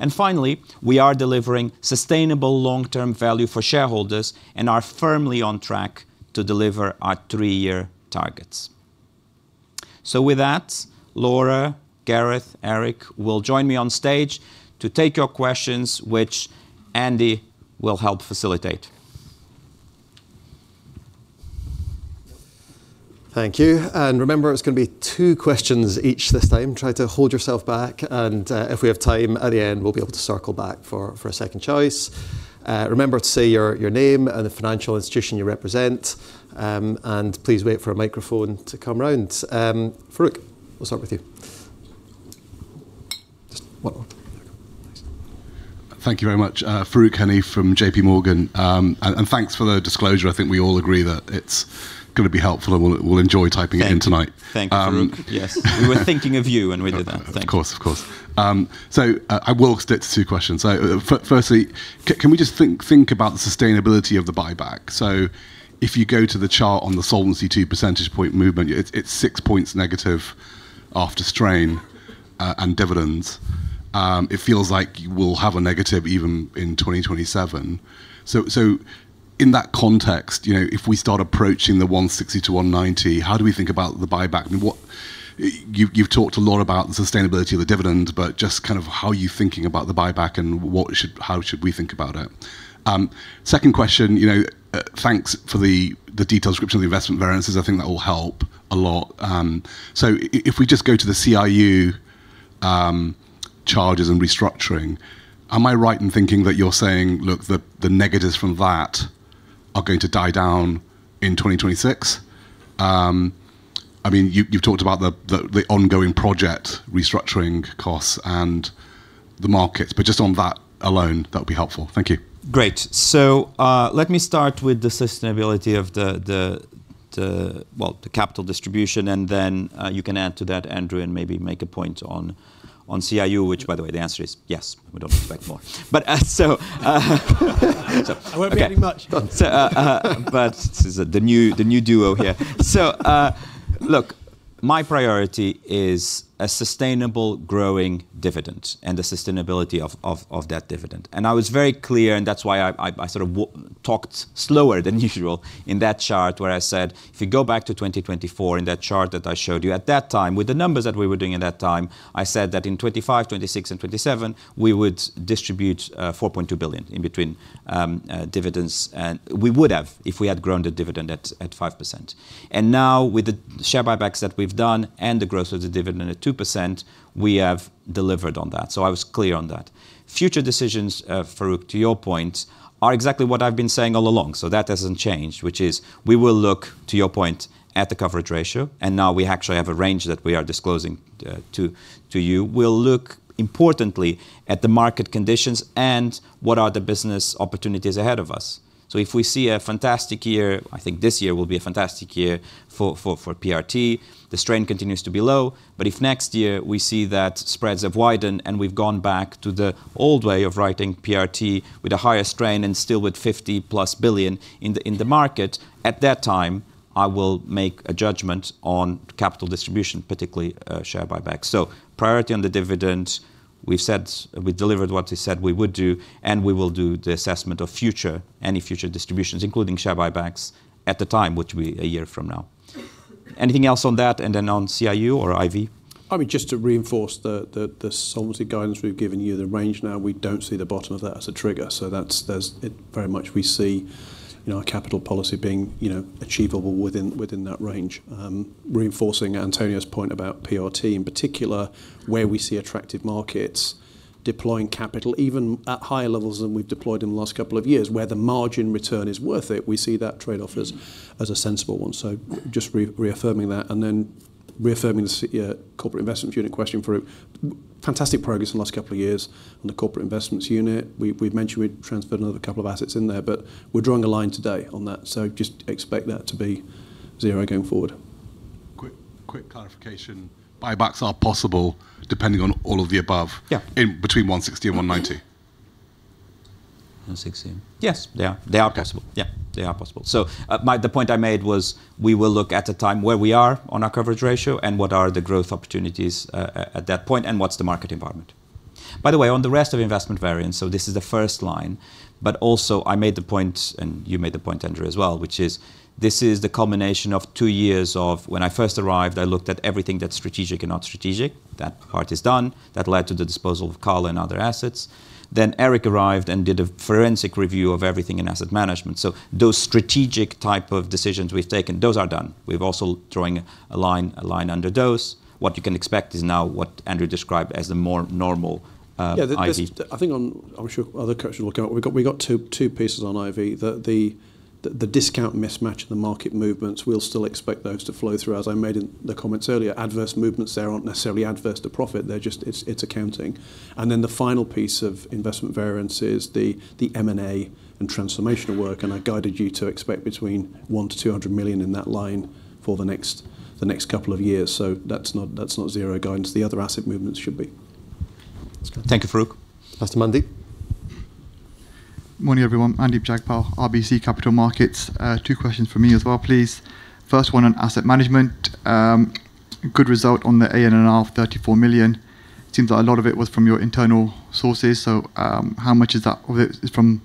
Finally, we are delivering sustainable long-term value for shareholders and are firmly on track to deliver our three-year targets. With that, Laura, Gareth, Eric will join me on stage to take your questions, which Andy will help facilitate. Thank you. Remember, it's gonna be two questions each this time. Try to hold yourself back, and if we have time at the end, we'll be able to circle back for a second choice. Remember to say your name and the financial institution you represent, and please wait for a microphone to come round. Farooq, we'll start with you. Just one more. There you go. Thanks. Thank you very much. Farooq Hanif from JPMorgan, and thanks for the disclosure. I think we all agree that it's gonna be helpful, and we'll enjoy typing it in tonight. Thank you, Farooq. Um Yes. We were thinking of you when we did that. Thank you. Of course. I will stick to two questions. Firstly, can we just think about the sustainability of the buyback? If you go to the chart on the Solvency II percentage point movement, it's 6 points negative after strain and dividends. It feels like we'll have a negative even in 2027. In that context, you know, if we start approaching the 160%-190%, how do we think about the buyback? You've talked a lot about the sustainability of the dividend, but just kind of how are you thinking about the buyback and how should we think about it? Second question, you know, thanks for the detailed description of the investment variances. I think that will help a lot. If we just go to the CIU, charges and restructuring, am I right in thinking that you're saying, look, the negatives from that are going to die down in 2026? I mean, you've talked about the ongoing project restructuring costs and the markets, but just on that alone, that'll be helpful. Thank you. Great. Let me start with the sustainability of the capital distribution, and then you can add to that, Andrew, and maybe make a point on CIU, which by the way, the answer is yes, we don't expect more. so I won't be getting much. This is the new duo here. Look, my priority is a sustainable growing dividend and the sustainability of that dividend. I was very clear, and that's why I sort of talked slower than usual in that chart where I said, if you go back to 2024 in that chart that I showed you, at that time, with the numbers that we were doing at that time, I said that in 2025, 2026, and 2027, we would distribute 4.2 billion in between dividends and. We would have if we had grown the dividend at 5%. Now with the share buybacks that we've done and the growth of the dividend at 2%, we have delivered on that. I was clear on that. Future decisions, Farooq, to your point, are exactly what I've been saying all along, so that hasn't changed, which is we will look, to your point, at the coverage ratio, and now we actually have a range that we are disclosing to you. We'll look importantly at the market conditions and what are the business opportunities ahead of us. If we see a fantastic year, I think this year will be a fantastic year for PRT. The strain continues to be low. If next year we see that spreads have widened and we've gone back to the old way of writing PRT with a higher strain and still with 50+ billion in the market, at that time, I will make a judgment on capital distribution, particularly share buybacks. Priority on the dividend, we've said we delivered what we said we would do, and we will do the assessment of future, any future distributions, including share buybacks at the time, which will be a year from now. Anything else on that? Then on CIU or IV? I mean, just to reinforce the solvency guidance we've given you, the range. Now, we don't see the bottom of that as a trigger. It very much we see, you know, our capital policy being, you know, achievable within that range, reinforcing António's point about PRT in particular. Where we see attractive markets deploying capital even at higher levels than we've deployed in the last couple of years, where the margin return is worth it, we see that trade-off as a sensible one. Just reaffirming that and then reaffirming the Corporate Investments Unit question, Farooq. Fantastic progress in the last couple of years on the Corporate Investments Unit. We've mentioned we'd transferred another couple of assets in there, but we're drawing a line today on that. Just expect that to be zero going forward. Quick, quick clarification. Buybacks are possible depending on all of the above- Yeah -in between 160 and 190. 160. Yes. Yeah, they are possible. The point I made was we will look at a time where we are on our coverage ratio and what are the growth opportunities at that point, and what's the market environment. By the way, on the rest of investment variance, this is the first line, but also I made the point, and you made the point, Andrew, as well, which is this is the culmination of two years of when I first arrived, I looked at everything that's strategic and not strategic. That part is done. That led to the disposal of Cala and other assets. Then Eric arrived and did a forensic review of everything in asset management. Those strategic type of decisions we've taken, those are done. We've also drawn a line under those. What you can expect is now what Andrew described as the more normal IV. Yeah, there's. I think. I'm sure other questions will come up. We got two pieces on IV. The discount mismatch, the market movements, we'll still expect those to flow through. As I made in the comments earlier, adverse movements there aren't necessarily adverse to profit, they're just, it's accounting. The final piece of investment variance is the M&A and transformational work, and I guided you to expect between 100 million-200 million in that line for the next couple of years. That's not zero guidance. The other asset movements should be. That's correct. Thank you, Farooq. Mandeep. Morning, everyone. Mandeep Jagpal, RBC Capital Markets. Two questions from me as well, please. First one on Asset Management. Good result on the ANNR of 34 million. It seems that a lot of it was from your internal sources. How much of that is from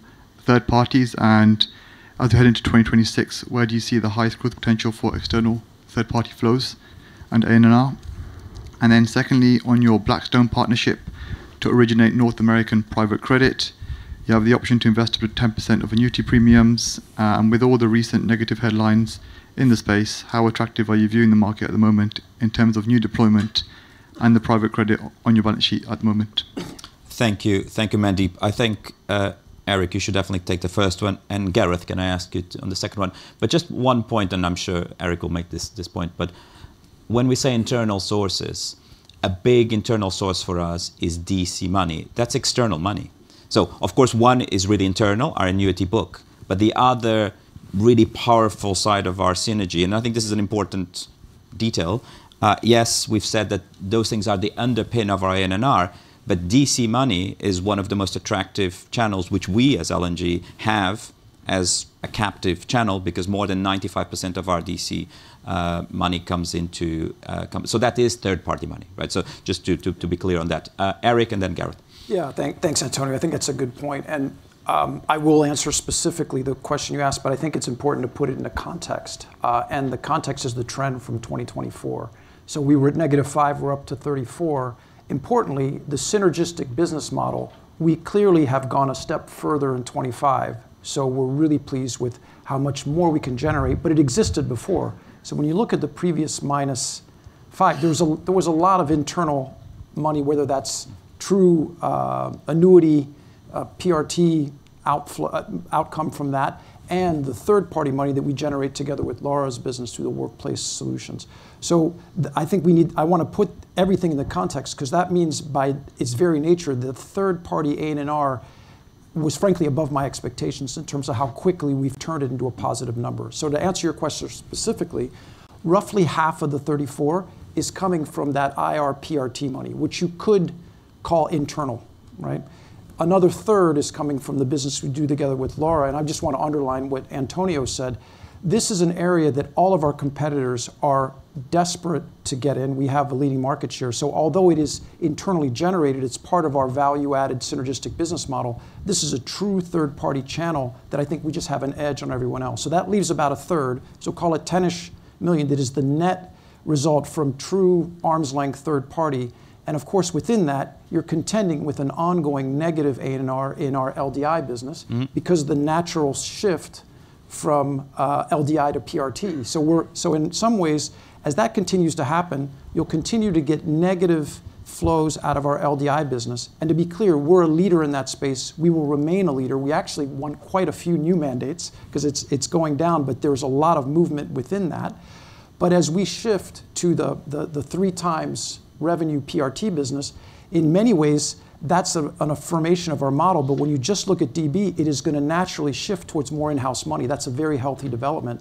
third parties? And as we head into 2026, where do you see the highest growth potential for external third-party flows and ANNR? Secondly, on your Blackstone partnership to originate North American private credit, you have the option to invest up to 10% of annuity premiums. With all the recent negative headlines in the space, how attractive are you viewing the market at the moment in terms of new deployment and the private credit on your balance sheet at the moment? Thank you. Thank you, Mandeep. I think, Eric, you should definitely take the first one. Gareth, can I ask you on the second one? Just one point, and I'm sure Eric will make this point, but when we say internal sources, a big internal source for us is DC money. That's external money. Of course, one is really internal, our annuity book. The other really powerful side of our synergy, and I think this is an important detail, yes, we've said that those things are the underpinning of our ANNR, but DC money is one of the most attractive channels which we as L&G have as a captive channel because more than 95% of our DC money comes into. That is third-party money, right? Just to be clear on that. Eric, and then Gareth. Yeah. Thanks, António. I think that's a good point. I will answer specifically the question you asked, but I think it's important to put it into context. The context is the trend from 2024. We were at -5%, we're up to 34%. Importantly, the synergistic business model, we clearly have gone a step further in 2025, we're really pleased with how much more we can generate, but it existed before. When you look at the previous -5%, there was a lot of internal money, whether that's through annuity, PRT outcome from that, and the third-party money that we generate together with Laura's business through the workplace solutions. I wanna put everything in the context 'cause that means by its very nature, the third party ANNR was frankly above my expectations in terms of how quickly we've turned it into a positive number. To answer your question specifically, roughly half of the 34 is coming from that IR PRT money, which you could call internal, right? Another third is coming from the business we do together with Laura, and I just wanna underline what Antonio said. This is an area that all of our competitors are desperate to get in. We have the leading market share. Although it is internally generated, it's part of our value-added synergistic business model. This is a true third-party channel that I think we just have an edge on everyone else. that leaves about a third, so call it 10-ish million, that is the net result from true arm's length third party. Of course, within that, you're contending with an ongoing negative ANNR in our LDI business. Mm-hmm Because the natural shift from LDI to PRT. In some ways, as that continues to happen, you'll continue to get negative flows out of our LDI business. To be clear, we're a leader in that space. We will remain a leader. We actually won quite a few new mandates 'cause it's going down, but there's a lot of movement within that. As we shift to the 3x revenue PRT business, in many ways, that's an affirmation of our model. When you just look at DB, it is gonna naturally shift towards more in-house money. That's a very healthy development.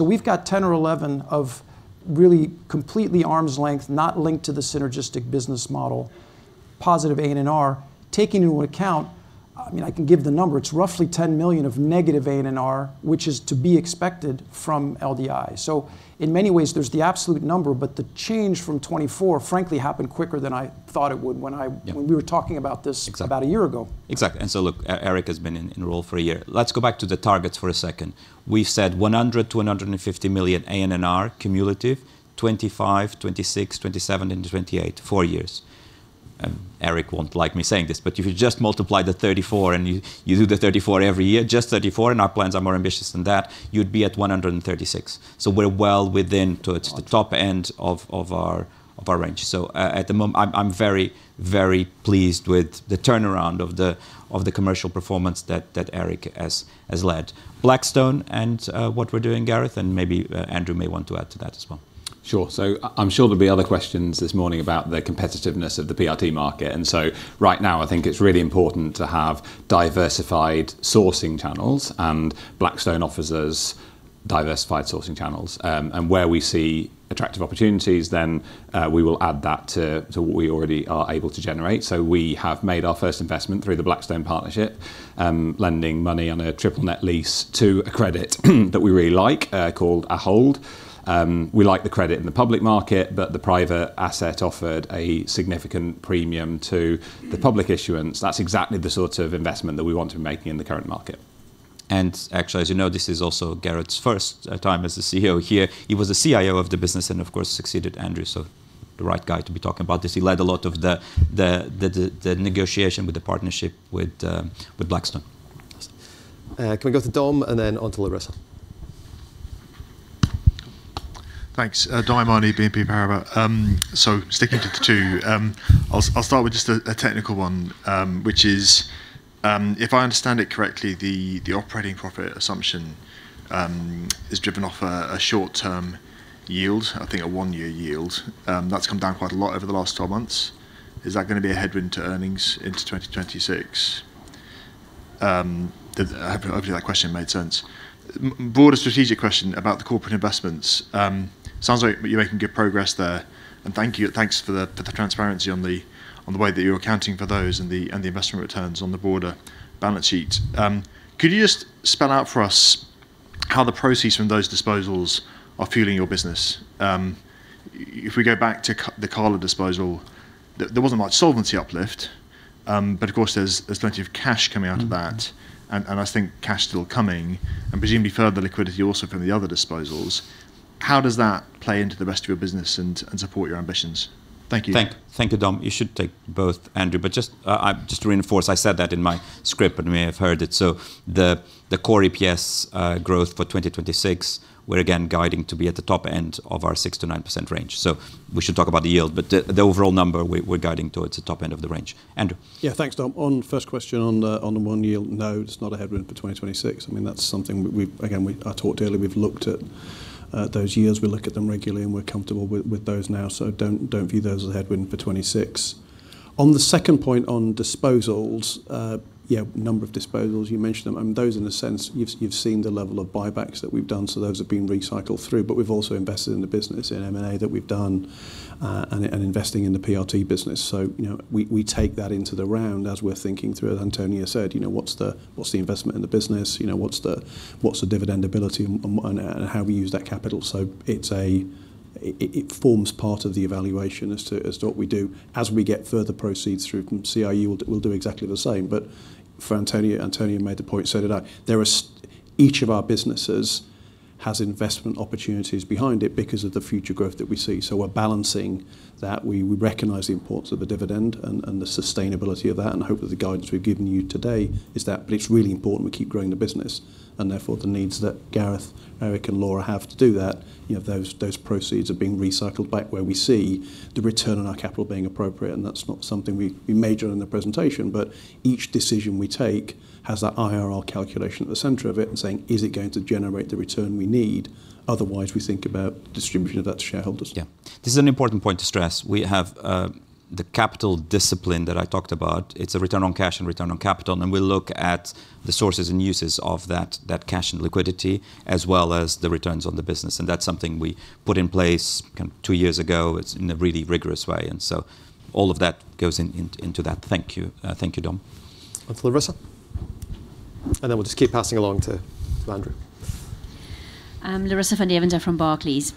We've got 10 or 11 of really completely arm's length, not linked to the synergistic business model, positive ANNR, taking into account, I mean, I can give the number, it's roughly 10 million of negative ANNR, which is to be expected from LDI. In many ways, there's the absolute number, but the change from 2024 frankly happened quicker than I thought it would when I- Yeah -when we were talking about this- Exactly -about a year ago. Exactly. Look, Eric has been in role for a year. Let's go back to the targets for a second. We said 100-150 million ANNR cumulative, 2025, 2026, 2027 and 2028, four years. Eric won't like me saying this, but if you just multiply the 34, and you do the 34 every year, just 34, and our plans are more ambitious than that, you'd be at 136. So we're well within towards the top end of our range. So at the moment I'm very pleased with the turnaround of the commercial performance that Eric has led. Blackstone and what we're doing, Gareth, and maybe Andrew may want to add to that as well. Sure. I'm sure there'll be other questions this morning about the competitiveness of the PRT market. Right now, I think it's really important to have diversified sourcing channels, and Blackstone offers us diversified sourcing channels. Where we see attractive opportunities, then, we will add that to what we already are able to generate. We have made our first investment through the Blackstone partnership, lending money on a triple net lease to a credit that we really like, called Ahold Delhaize. We like the credit in the public market, but the private asset offered a significant premium to the public issuance. That's exactly the sort of investment that we want to be making in the current market. Actually, as you know, this is also Gareth's first time as the CEO here. He was the CIO of the business and of course succeeded Andrew, so the right guy to be talking about this. He led a lot of the negotiation with the partnership with Blackstone. Can we go to Dom and then on to Larissa? Thanks. Dominic O'Mahony, BNP Paribas. So sticking to the two, I'll start with just a technical one, which is, if I understand it correctly, the operating profit assumption is driven off a short-term yield, I think a one-year yield. That's come down quite a lot over the last 12 months. Is that gonna be a headwind to earnings into 2026? I hope that question made sense. Broader strategic question about the corporate investments. Sounds like you're making good progress there, and thank you. Thanks for the transparency on the way that you're accounting for those and the investment returns on the broader balance sheet. Could you just spell out for us how the proceeds from those disposals are fueling your business? If we go back to the Cala disposal, there wasn't much solvency uplift, but of course, there's plenty of cash coming out of that. I think cash still coming and presumably further liquidity also from the other disposals. How does that play into the rest of your business and support your ambitions? Thank you. Thank you, Dom. You should take both, Andrew. Just to reinforce, I said that in my script, but you may have heard it. The core EPS growth for 2026, we're again guiding to be at the top end of our 6%-9% range. We should talk about the yield. The overall number we're guiding towards the top end of the range. Andrew. Yeah, thanks, Dom. On the first question on the bond yield, no, it's not a headwind for 2026. I mean, that's something we've, again, I talked earlier, we've looked at those yields. We look at them regularly, and we're comfortable with those now. So don't view those as a headwind for 2026. On the second point on disposals, yeah, number of disposals, you mentioned them. Those in a sense, you've seen the level of buybacks that we've done, so those have been recycled through. But we've also invested in the business, in M&A that we've done, and investing in the PRT business. So, you know, we take that into the round as we're thinking through, as Antonio said, you know, what's the investment in the business? You know, what's the dividend ability and how we use that capital? It forms part of the evaluation as to what we do. As we get further proceeds through from CIU, we'll do exactly the same. For António, he made the point, so did I. Each of our businesses has investment opportunities behind it because of the future growth that we see. We're balancing that. We recognize the importance of a dividend and the sustainability of that, and hopefully, the guidance we've given you today is that. It's really important we keep growing the business and therefore the needs that Gareth, Eric, and Laura have to do that. You know, those proceeds are being recycled back where we see the return on our capital being appropriate. That's not something we major on in the presentation, but each decision we take has that IRR calculation at the center of it and saying, "Is it going to generate the return we need?" Otherwise, we think about distribution of that to shareholders. Yeah. This is an important point to stress. We have the capital discipline that I talked about. It's a return on cash and return on capital. We look at the sources and uses of that cash and liquidity, as well as the returns on the business. That's something we put in place two years ago. It's in a really rigorous way, and so all of that goes into that. Thank you. Thank you, Dom. On to Larissa. We'll just keep passing along to Andrew. Larissa Van Deventer from Barclays.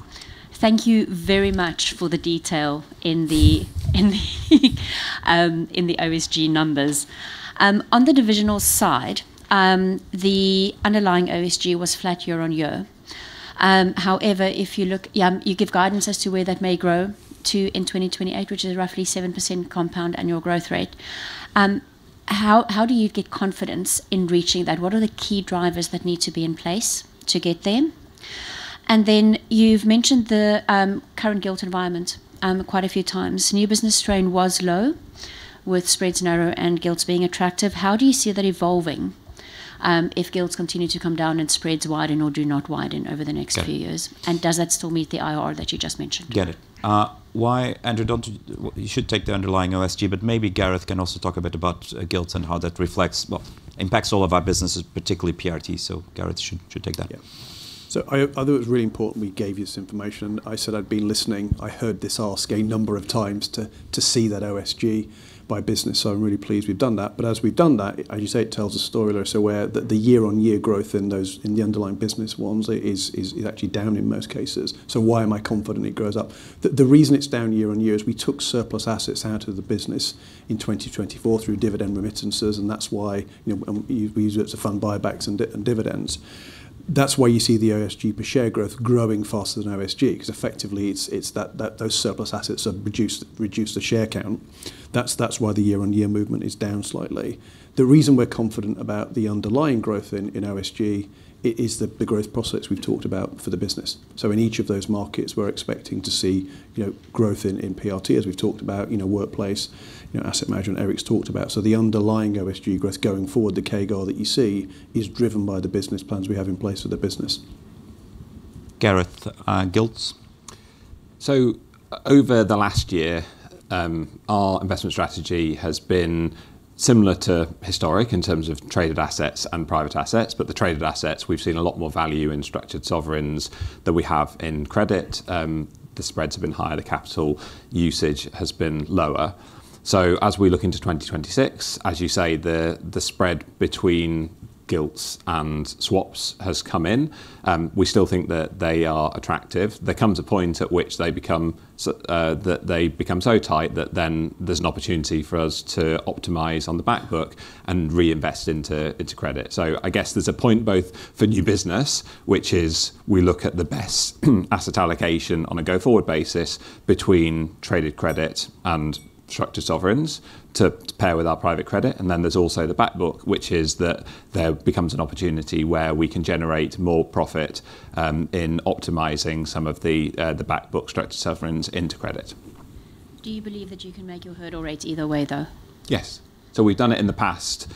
Thank you very much for the detail in the OSG numbers. On the divisional side, the underlying OSG was flat year-on-year. However, if you look, you give guidance as to where that may grow to in 2028, which is roughly 7% compound annual growth rate. How do you get confidence in reaching that? What are the key drivers that need to be in place to get there? You've mentioned the current gilt environment quite a few times. New business strain was low, with spreads narrow and gilts being attractive. How do you see that evolving, if gilts continue to come down and spreads widen or do not widen over the next few years? Get it. Does that still meet the IRR that you just mentioned? Get it. Andrew, you should take the underlying OSG, but maybe Gareth can also talk a bit about gilts and how that reflects, well, impacts all of our businesses, particularly PRT. Gareth should take that. Yeah. I thought it was really important we gave you this information. I said I'd been listening. I heard this ask a number of times to see that OSG by business, so I'm really pleased we've done that. As we've done that, as you say, it tells a story, Larissa, where the year-on-year growth in those in the underlying business ones is actually down in most cases. Why am I confident it grows up? The reason it's down year-on-year is we took surplus assets out of the business in 2024 through dividend remittances, and that's why, you know, we use it to fund buybacks and dividends. That's why you see the OSG per share growth growing faster than OSG 'cause effectively it's that those surplus assets have reduced the share count. That's why the year-on-year movement is down slightly. The reason we're confident about the underlying growth in OSG is the growth prospects we've talked about for the business. In each of those markets, we're expecting to see, you know, growth in PRT, as we've talked about, you know, workplace, you know, asset management Eric's talked about. The underlying OSG growth going forward, the CAGR that you see is driven by the business plans we have in place for the business. Gareth, gilts Over the last year, our investment strategy has been similar to historic in terms of traded assets and private assets. The traded assets, we've seen a lot more value in structured sovereigns than we have in credit. The spreads have been higher, the capital usage has been lower. As we look into 2026, as you say, the spread between gilts and swaps has come in. We still think that they are attractive. There comes a point at which they become so tight that then there's an opportunity for us to optimize on the back book and reinvest into credit. I guess there's a point both for new business, which is we look at the best asset allocation on a go-forward basis between traded credit and structured sovereigns to pair with our private credit. There's also the back book, which is that there becomes an opportunity where we can generate more profit in optimizing some of the back book structured sovereigns into credit. Do you believe that you can make your hurdle rate either way, though? Yes. We've done it in the past.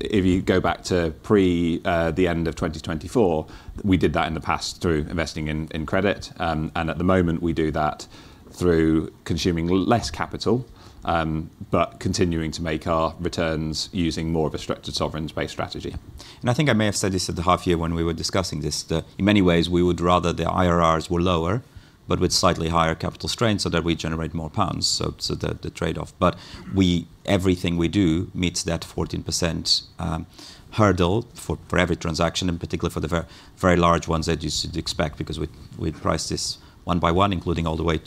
If you go back to pre the end of 2024, we did that in the past through investing in credit. At the moment, we do that through consuming less capital, but continuing to make our returns using more of a structured sovereigns-based strategy. I think I may have said this at the half year when we were discussing this, that in many ways, we would rather the IRRs were lower, but with slightly higher capital strength so that we generate more pounds, the trade-off. Everything we do meets that 14% hurdle for every transaction, and particularly for the very large ones that you should expect because we price this one by one, including all the way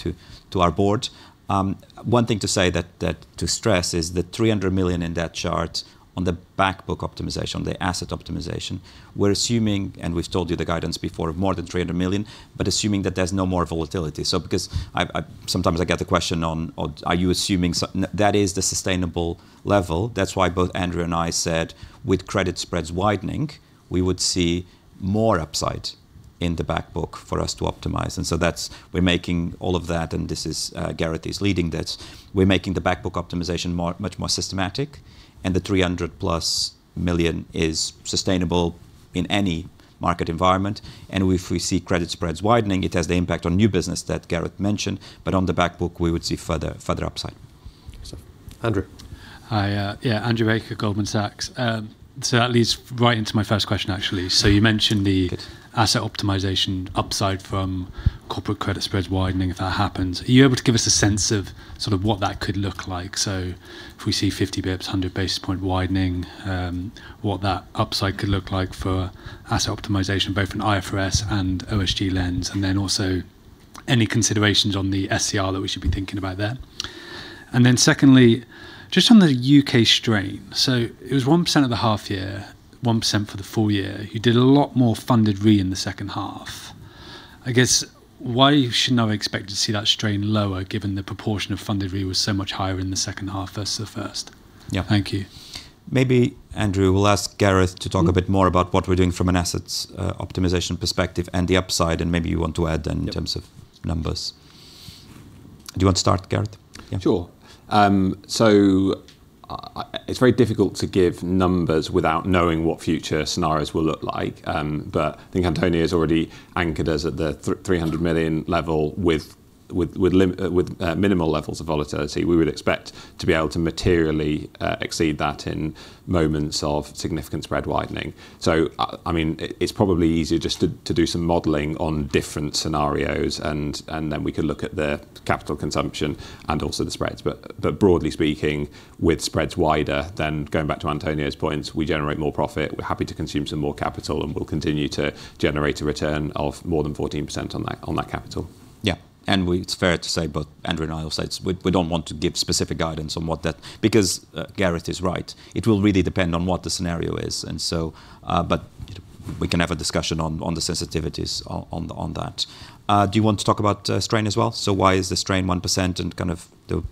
to our board. One thing to say that to stress is the 300 million in that chart on the back book optimization, the asset optimization. We're assuming, and we've told you the guidance before, more than 300 million, but assuming that there's no more volatility. Because I've sometimes I get the question on are you assuming that is the sustainable level. That's why both Andrew and I said with credit spreads widening, we would see more upside in the back book for us to optimize. That's we're making all of that, and this is, Gareth is leading this. We're making the back book optimization much more systematic, and the 300+ million is sustainable in any market environment. If we see credit spreads widening, it has the impact on new business that Gareth mentioned, but on the back book, we would see further upside. Andrew. Hi, yeah, Andrew Baker, Goldman Sachs. That leads right into my first question, actually. You mentioned the- Good Asset optimization upside from corporate credit spreads widening if that happens. Are you able to give us a sense of sort of what that could look like? If we see 50, 100 basis point widening, what that upside could look like for asset optimization, both from IFRS and OSG lens, and then also any considerations on the SCR that we should be thinking about there. Then secondly, just on the U.K. strain. It was 1% of the half year, 1% for the full year. You did a lot more funded re in the second half. I guess, why should I now expect to see that strain lower given the proportion of funded re was so much higher in the second half versus the first? Yeah. Thank you. Maybe, Andrew, we'll ask Gareth to talk a bit more about what we're doing from an assets optimization perspective and the upside, and maybe you want to add then in terms of numbers. Do you want to start, Gareth? Yeah. Sure. So it's very difficult to give numbers without knowing what future scenarios will look like. I think António has already anchored us at the 300 million level with minimal levels of volatility. We would expect to be able to materially exceed that in moments of significant spread widening. I mean, it's probably easier just to do some modeling on different scenarios and then we could look at the capital consumption and also the spreads. Broadly speaking, with spreads wider, going back to António's point, we generate more profit. We're happy to consume some more capital, and we'll continue to generate a return of more than 14% on that capital. It's fair to say both Andrew and I will say we don't want to give specific guidance on what that. Because Gareth is right. It will really depend on what the scenario is. But we can have a discussion on the sensitivities on that. Do you want to talk about strain as well? Why is the strain 1% and kind of the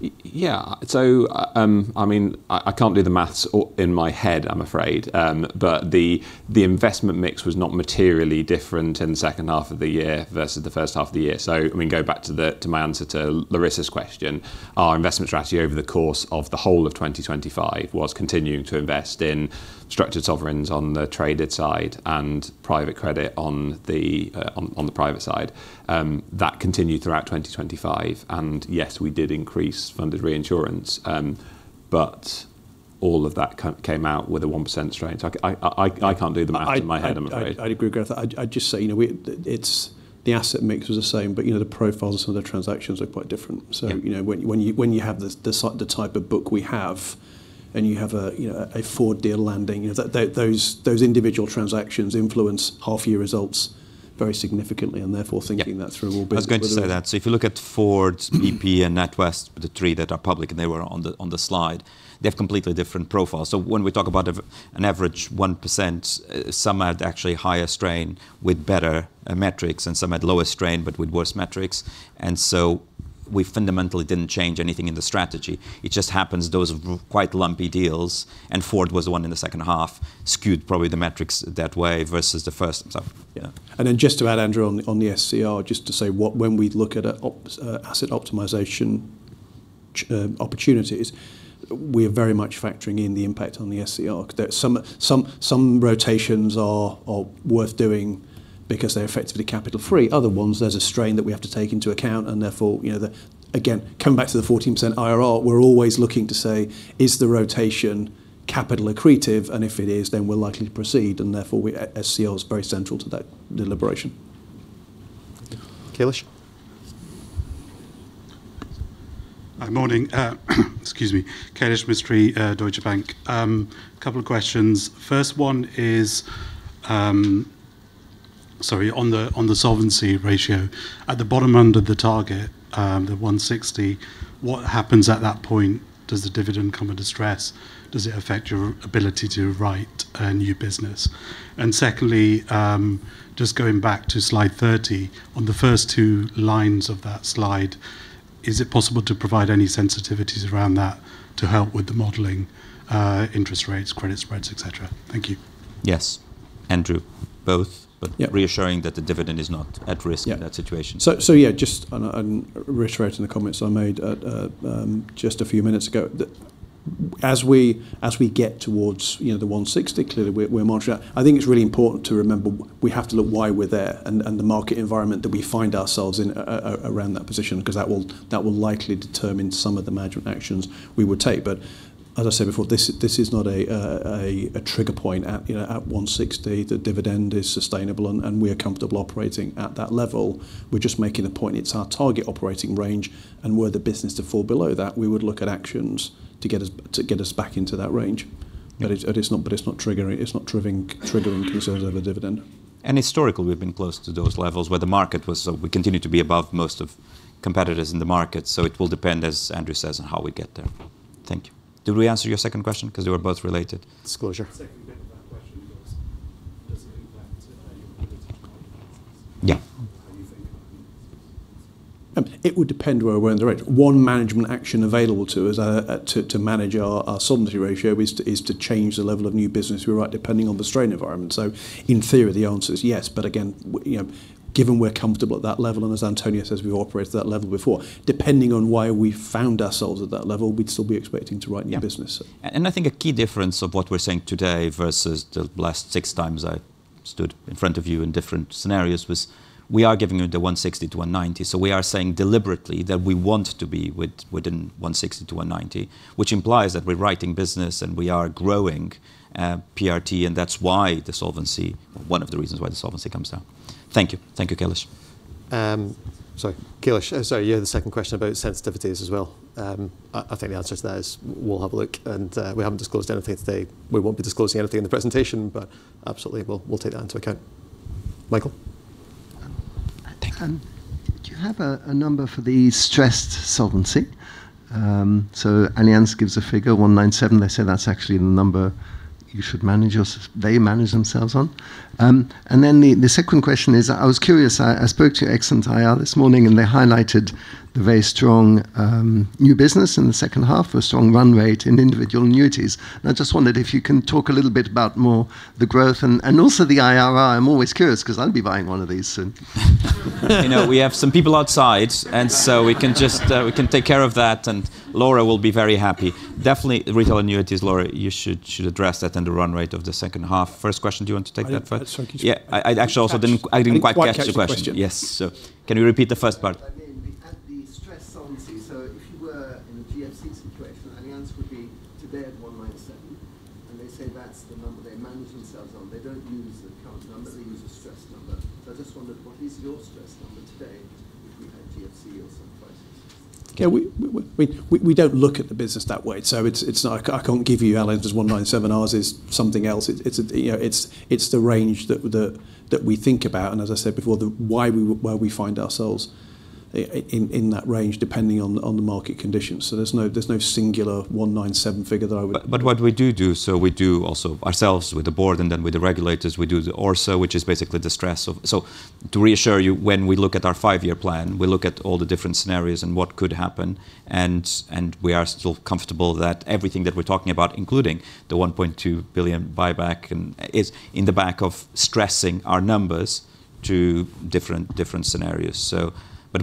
Yeah. I mean, I can't do the math in my head, I'm afraid. The investment mix was not materially different in the second half of the year versus the first half of the year. I mean, go back to my answer to Larissa's question. Our investment strategy over the course of the whole of 2025 was continuing to invest in structured sovereigns on the traded side and private credit on the private side. That continued throughout 2025. Yes, we did increase funded reinsurance, but all of that came out with a 1% strain. I can't do the math in my head, I'm afraid. I'd agree with Gareth. I'd just say, you know, the asset mix was the same, but, you know, the profiles of some of the transactions are quite different. Yeah. You know, when you have the type of book we have, and you have a, you know, a Ford deal landing, you know, those individual transactions influence half year results very significantly, and therefore thinking that through will be. I was going to say that. If you look at Ford, BP and NatWest, the three that are public, and they were on the slide, they have completely different profiles. When we talk about an average 1%, some had actually higher strain with better metrics, and some had lower strain but with worse metrics. We fundamentally didn't change anything in the strategy. It just happens those quite lumpy deals, and Ford was the one in the second half, skewed probably the metrics that way versus the first. Yeah. Just to add, Andrew, on the SCR, when we look at asset optimization opportunities, we are very much factoring in the impact on the SCR. There are some rotations that are worth doing because they're effectively capital-free. Other ones, there's a strain that we have to take into account and therefore, again, coming back to the 14% IRR, we're always looking to say, "Is the rotation capital accretive? And if it is, then we're likely to proceed," and the SCR is very central to that deliberation. Kailash. Good morning. Excuse me. Kailesh Mistry, Deutsche Bank. Couple of questions. First one is, sorry, on the solvency ratio. At the bottom end of the target, the 160, what happens at that point? Does the dividend come under stress? Does it affect your ability to write new business? Secondly, just going back to slide 30, on the first two lines of that slide, is it possible to provide any sensitivities around that to help with the modeling, interest rates, credit spreads, et cetera? Thank you. Yes. Andrew, both. Yeah. Reassuring that the dividend is not at risk. Yeah in that situation. Yeah, just on reiterating the comments I made just a few minutes ago. As we get towards, you know, the 160, clearly we're monitoring that. I think it's really important to remember we have to look why we're there and the market environment that we find ourselves in around that position, 'cause that will likely determine some of the management actions we would take. As I said before, this is not a trigger point. At, you know, at 160, the dividend is sustainable and we are comfortable operating at that level. We're just making the point it's our target operating range, and were the business to fall below that, we would look at actions to get us back into that range. Yeah. It's not triggering concerns over dividend. Historically, we've been close to those levels where the market was, so we continue to be above most of competitors in the market, so it will depend, as Andrew says, on how we get there. Thank you. Did we answer your second question? 'Cause they were both related. Disclosure. Second bit of that question was, does it impact- Yeah. -how you think? It would depend where we're in the range. One management action available to us, to manage our solvency ratio is to change the level of new business we write depending on the strain environment. In theory, the answer is yes. Again, you know, given we're comfortable at that level, and as António says, we've operated at that level before, depending on why we found ourselves at that level, we'd still be expecting to write new business. Yeah. I think a key difference of what we're saying today versus the last six times I stood in front of you in different scenarios was we are giving you the 160%-190%. We are saying deliberately that we want to be within 160%-190%, which implies that we're writing business and we are growing PRT, and that's why the solvency comes down, one of the reasons why the solvency comes down. Thank you. Thank you, Kailash. Sorry. Kailesh, sorry, you had the second question about sensitivities as well. I think the answer to that is we'll have a look, and we haven't disclosed anything today. We won't be disclosing anything in the presentation, but absolutely, we'll take that into account. Michael. Thank you. Do you have a number for the stressed solvency? Allianz gives a figure, 197. They say that's actually the number you should manage your. They manage themselves on. The second question is, I was curious. I spoke to Excellence IR this morning, and they highlighted the very strong new business in the second half, a strong run rate in individual annuities. I just wondered if you can talk a little bit about more the growth and also the IRR. I'm always curious 'cause I'll be buying one of these soon. I know we have some people outside, and so we can just, we can take care of that, and Laura will be very happy. Definitely Retail Annuities, Laura, you should address that in the run rate of the second half. First question, do you want to take that first? Sorry, can you- Yeah. I actually also didn't. I didn't quite catch- I didn't quite catch the question. I didn't quite catch the question. Yes. Can we repeat the first part? in that range, depending on the market conditions. There's no singular 197 figure that I would. What we do, we do it ourselves with the board and then with the regulators. We do the ORSA, which is basically the stress tests. To reassure you, when we look at our five-year plan, we look at all the different scenarios and what could happen, and we are still comfortable that everything that we're talking about, including the 1.2 billion buyback, is backed by stressing our numbers to different scenarios.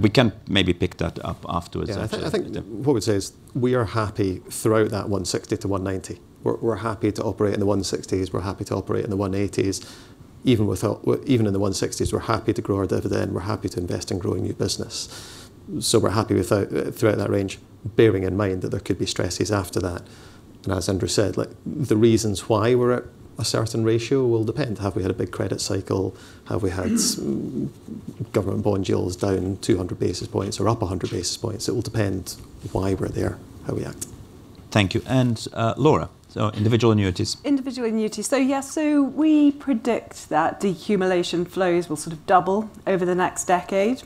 We can maybe pick that up afterwards. Yeah. I think what we'd say is we are happy throughout that 160%-190%. We're happy to operate in the 160s, we're happy to operate in the 180s. Even in the 160s, we're happy to grow our dividend, we're happy to invest in growing new business. We're happy throughout that range, bearing in mind that there could be stresses after that. As Andrew said, like, the reasons why we're at a certain ratio will depend. Have we had a big credit cycle? Have we had government bond yields down 200 basis points or up 100 basis points? It will depend why we're there, how we act. Thank you. Laura, individual annuities. Individual annuities. We predict that the accumulation flows will sort of double over the next decade.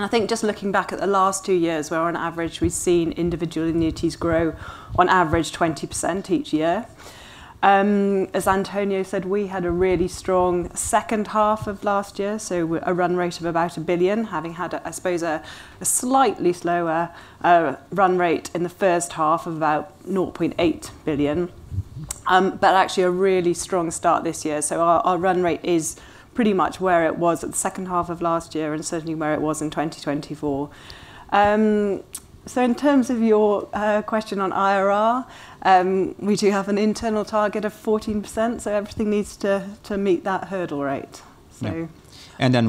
I think just looking back at the last two years, where on average we've seen individual annuities grow on average 20% each year. As António said, we had a really strong second half of last year, a run rate of about 1 billion, having had, I suppose, a slightly slower run rate in the first half of about 0.8 billion. Actually a really strong start this year. Our run rate is pretty much where it was at the second half of last year and certainly where it was in 2024. In terms of your question on IRR, we do have an internal target of 14%, so everything needs to meet that hurdle rate. Yeah.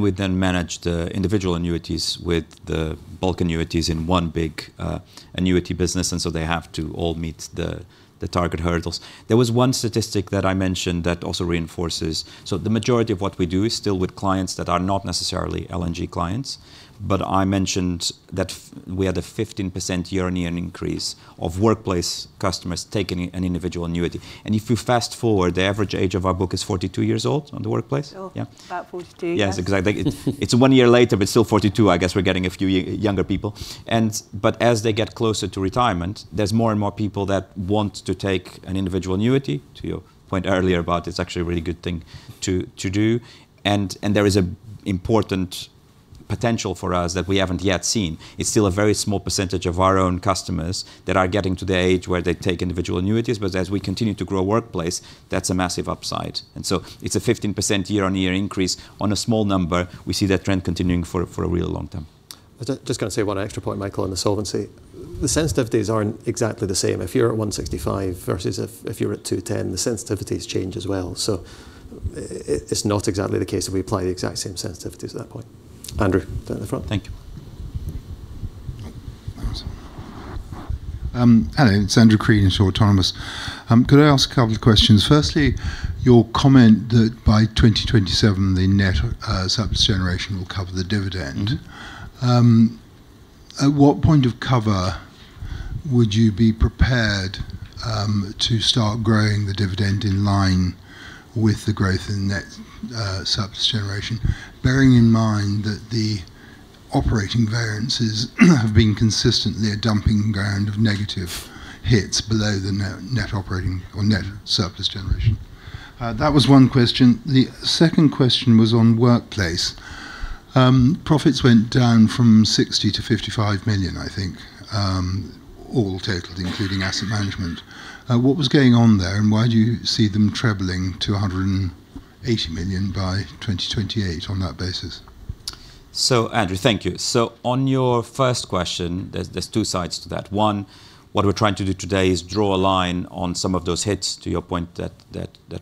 We then manage the individual annuities with the bulk annuities in one big annuity business, and so they have to all meet the target hurdles. There was one statistic that I mentioned that also reinforces. The majority of what we do is still with clients that are not necessarily L&G clients. I mentioned that we had a 15% year-on-year increase of workplace customers taking an individual annuity. If you fast-forward, the average age of our book is 42 years old on the workplace. Still. Yeah. About 42, yeah. Yes, exactly. It's one year later, but still 42. I guess we're getting a few younger people. As they get closer to retirement, there's more and more people that want to take an individual annuity, to your point earlier about it's actually a really good thing to do, and there is an important potential for us that we haven't yet seen. It's still a very small percentage of our own customers that are getting to the age where they take individual annuities, but as we continue to grow workplace, that's a massive upside. It's a 15% year-on-year increase on a small number. We see that trend continuing for a real long time. I just gotta say one extra point, Michael, on the solvency. The sensitivities aren't exactly the same. If you're at 165% versus if you're at 210%, the sensitivities change as well. It's not exactly the case that we apply the exact same sensitivities at that point. Andrew, down the front. Thank you. Hello. It's Andrew Crean at Autonomous Research. Could I ask a couple of questions? Firstly, your comment that by 2027, the net surplus generation will cover the dividend. At what point of cover would you be prepared to start growing the dividend in line with the growth in net surplus generation, bearing in mind that the operating variances have been consistently a dumping ground of negative hits below the net operating or net surplus generation. That was one question. The second question was on workplace. Profits went down from 60 million to 55 million, I think, all totaled, including asset management. What was going on there, and why do you see them trebling to 180 million by 2028 on that basis? Andrew, thank you. On your first question, there's two sides to that. One, what we're trying to do today is draw a line on some of those hits, to your point, that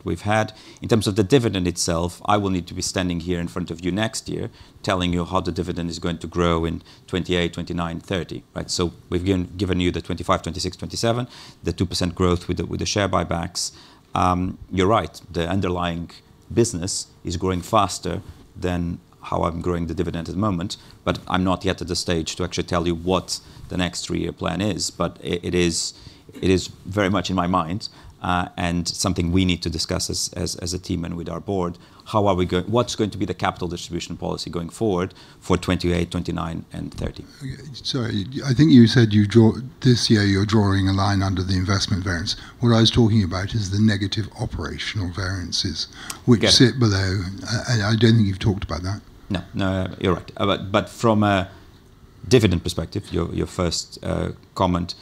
we've had. In terms of the dividend itself, I will need to be standing here in front of you next year telling you how the dividend is going to grow in 2028, 2029, 2030, right? We've given you the 2025, 2026, 2027, the 2% growth with the share buybacks. You're right, the underlying business is growing faster than how I'm growing the dividend at the moment. I'm not yet at the stage to actually tell you what the next three-year plan is. It is very much in my mind, and something we need to discuss as a team and with our board, what's going to be the capital distribution policy going forward for 2028, 2029 and 2030. Okay. Sorry, I think you said this year, you're drawing a line under the investment variance. What I was talking about is the negative operational variances- Yeah -which sit below. I don't think you've talked about that. No. No, you're right. But from a dividend perspective, your first comment,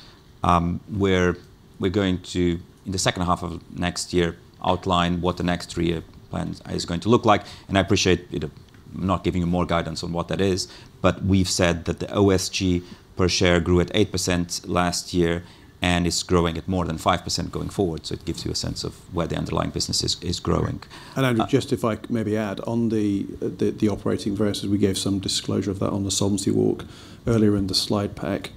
we're going to, in the second half of next year, outline what the next three-year plan is going to look like. I appreciate, you know, not giving you more guidance on what that is. We've said that the OSG per share grew at 8% last year and is growing at more than 5% going forward. It gives you a sense of where the underlying business is growing. António, just if I could maybe add. On the operating variances, we gave some disclosure of that on the Solvency walk earlier in the slide pack.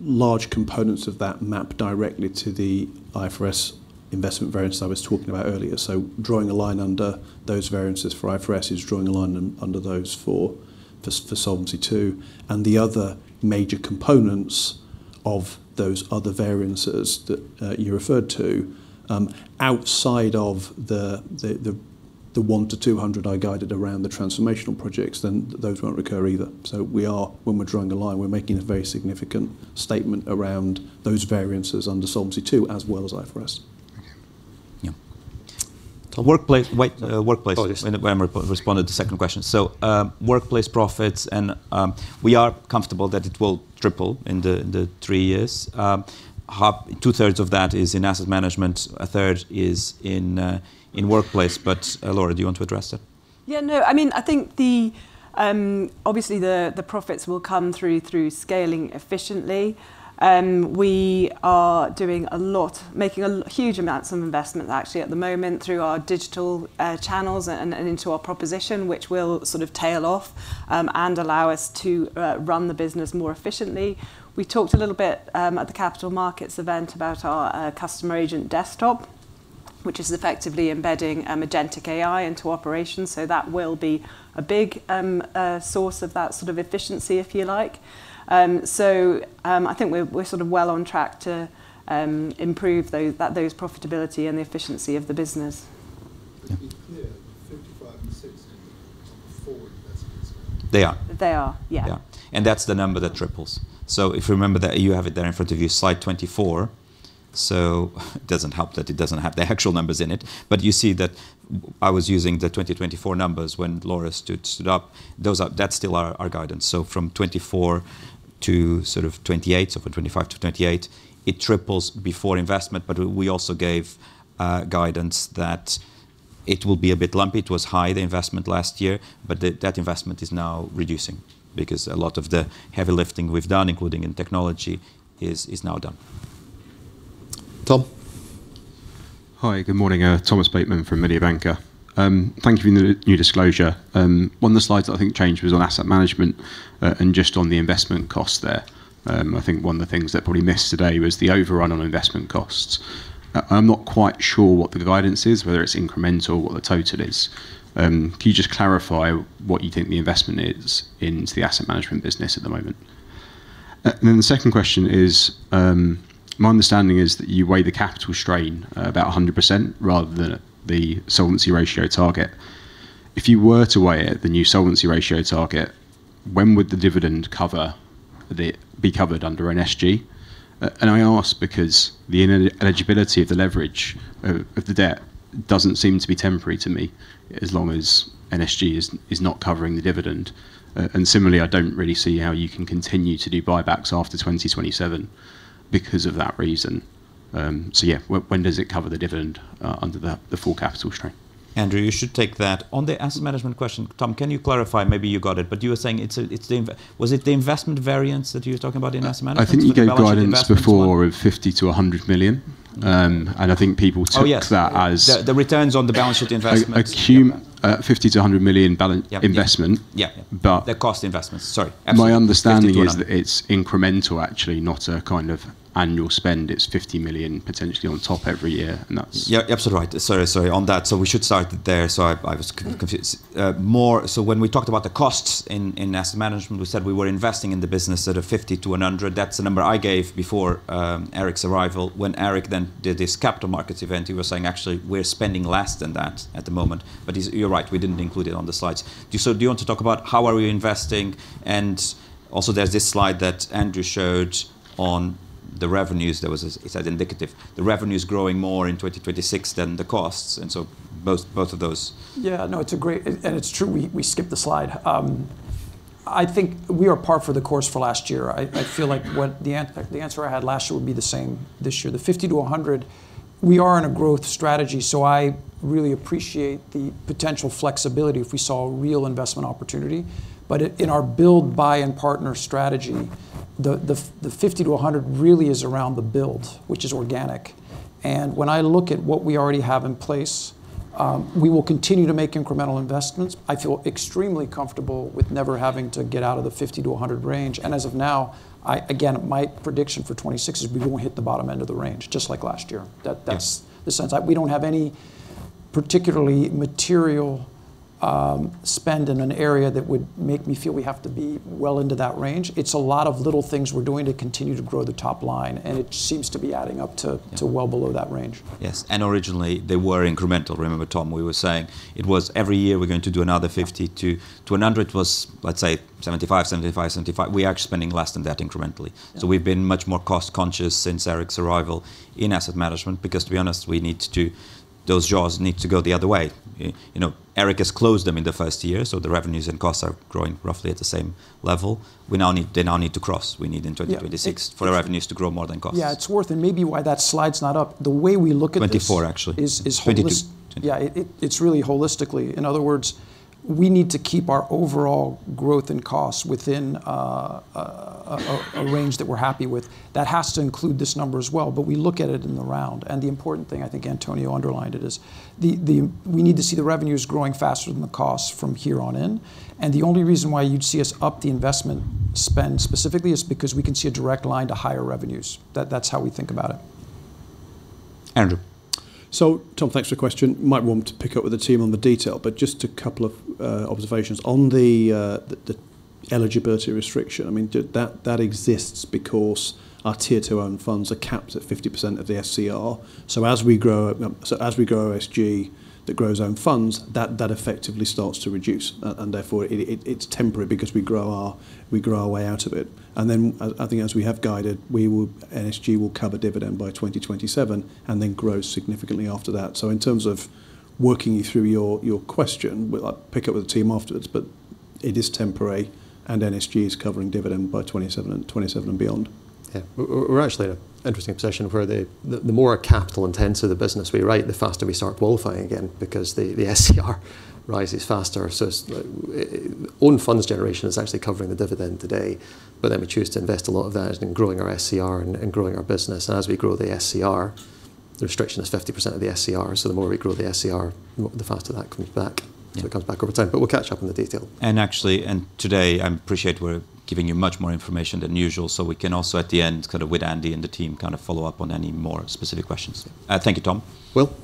Large components of that map directly to the IFRS investment variances I was talking about earlier. Drawing a line under those variances for IFRS is drawing a line under those for Solvency II. The other major components of those other variances that you referred to, outside of the 100-200 I guided around the transformational projects, then those won't recur either. When we're drawing a line, we're making a very significant statement around those variances under Solvency II as well as IFRS. Okay. Yeah. Workplace- Oh, yes. -where I responded to the second question. Workplace pensions and we are comfortable that it will triple in the three years. Two-thirds of that is in Asset Management, a third is in workplace. Laura, do you want to address that? Yeah, no. I mean, I think obviously, the profits will come through scaling efficiently. We are doing a lot, making huge amounts of investment actually at the moment through our digital channels and into our proposition, which will sort of tail off and allow us to run the business more efficiently. We talked a little bit at the capital markets event about our customer agent desktop, which is effectively embedding Agentic AI into operations. So that will be a big source of that sort of efficiency, if you like. I think we're sort of well on track to improve those profitability and the efficiency of the business. Yeah. Just to be clear, the 55 and 60 are before investments. They are. They are, yeah. Yeah. That's the number that triples. If you remember that, you have it there in front of you, slide 24. It doesn't help that it doesn't have the actual numbers in it. You see that I was using the 2024 numbers when Laura stood up. That's still our guidance. From 2024 to sort of 2028, from 2025 to 2028, it triples before investment. We also gave guidance that it will be a bit lumpy. It was high, the investment last year, but that investment is now reducing because a lot of the heavy lifting we've done, including in technology, is now done. Tom. Hi, good morning. Thomas Bateman from Mediobanca. Thank you for your new disclosure. One of the slides that I think changed was on Asset Management, and just on the investment cost there. I think one of the things that was missed today was the overrun on investment costs. I'm not quite sure what the guidance is, whether it's incremental, what the total is. Can you just clarify what you think the investment is into the Asset Management business at the moment? And then the second question is, my understanding is that the capital strain weighs about 100% rather than the solvency ratio target. If you were to weight it against the new solvency ratio target, when would the dividend be covered under NSG? I ask because the ineligibility of the leverage of the debt doesn't seem to be temporary to me as long as NSG is not covering the dividend. Similarly, I don't really see how you can continue to do buybacks after 2027 because of that reason. Yeah. When does it cover the dividend under the full capital strain? Andrew, you should take that. On the Asset Management question, Tom, can you clarify? Maybe you got it, but was it the investment variance that you were talking about in Asset Management or the balance sheet investment as well? I think you gave guidance before of 50 million-100 million. I think people took- Oh, yes. -that as- The returns on the balance sheet investment. Yeah. -50 million-100 million balance Yeah. Yeah investment. Yeah. But- Absolutely. 50-100 My understanding is that it's incremental actually, not a kind of annual spend. It's 50 million potentially on top every year, and that's. Yeah, absolutely right. Sorry. On that, we should start there. I was confused, more. When we talked about the costs in Asset Management, we said we were investing in the business at a 50-100. That's the number I gave before Eric's arrival. When Eric then did this capital markets event, he was saying, "Actually, we're spending less than that at the moment." You're right, we didn't include it on the slides. Do you want to talk about how are we investing? Also there's this slide that Andrew showed on the revenues. It said indicative. The revenue's growing more in 2026 than the costs, both of those. No, it's great. It's true, we skipped the slide. I think we are par for the course for last year. I feel like what the answer I had last year would be the same this year. The 50-100, we are in a growth strategy, so I really appreciate the potential flexibility if we saw a real investment opportunity. In our build, buy and partner strategy, the 50-100 really is around the build, which is organic. When I look at what we already have in place, we will continue to make incremental investments. I feel extremely comfortable with never having to get out of the 50-100 range. As of now, I, again, my prediction for 2026 is we won't hit the bottom end of the range, just like last year. Yeah the sense. We don't have any particularly material spend in an area that would make me feel we have to be well into that range. It's a lot of little things we're doing to continue to grow the top line, and it seems to be adding up to well below that range. Yes. Originally, they were incremental. Remember, Tom, we were saying it was every year we're going to do another 50 to 100, was, let's say, 75, 75. We are actually spending less than that incrementally. Yeah. We've been much more cost conscious since Eric's arrival in Asset Management because, to be honest, we need to those jaws need to go the other way. You know, Eric has closed them in the first year, so the revenues and costs are growing roughly at the same level. We now need they now need to cross. We need in 2026. Yeah. For the revenues to grow more than costs. Yeah, it's worth it and maybe why that slide's not up. The way we look at this. 24 actually is holistic 22. Yeah. It's really holistically. In other words, we need to keep our overall growth and costs within a range that we're happy with. That has to include this number as well. We look at it in the round. The important thing, I think António underlined it, is we need to see the revenues growing faster than the costs from here on in. The only reason why you'd see us up the investment spend specifically is because we can see a direct line to higher revenues. That's how we think about it. Andrew. Tom, thanks for the question. Might want to pick up with the team on the detail, but just a couple of observations. On the eligibility restriction, I mean, that exists because our Tier 2 own funds are capped at 50% of the SCR. As we grow OSG, that grows own funds, that effectively starts to reduce. And therefore it is temporary because we grow our way out of it. Then as we have guided, NSG will cover dividend by 2027, and then grow significantly after that. In terms of working you through your question, we'll pick up with the team afterwards, but it is temporary, and NSG is covering dividend by 2027 and beyond. Yeah. We're actually in an interesting position where the more capital intensive the business we write, the faster we start qualifying again because the SCR rises faster. So its own funds generation is actually covering the dividend today. But then we choose to invest a lot of that in growing our SCR and growing our business. As we grow the SCR, the restriction is 50% of the SCR, so the more we grow the SCR, the faster that comes back. Yeah. It comes back over time. We'll catch up on the detail. Actually, today, I appreciate we're giving you much more information than usual, so we can also at the end kind of with Andy and the team kind of follow up on any more specific questions. Thank you, Tom. Will.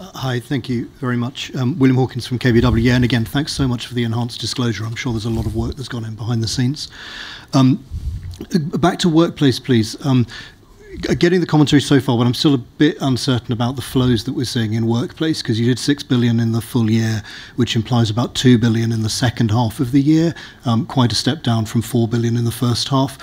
Hi. Thank you very much. William Hawkins from KBW. Yeah. Again, thanks so much for the enhanced disclosure. I'm sure there's a lot of work that's gone in behind the scenes. Back to workplace, please. Getting the commentary so far, but I'm still a bit uncertain about the flows that we're seeing in workplace, 'cause you did 6 billion in the full year, which implies about 2 billion in the second half of the year. Quite a step down from 4 billion in the first half.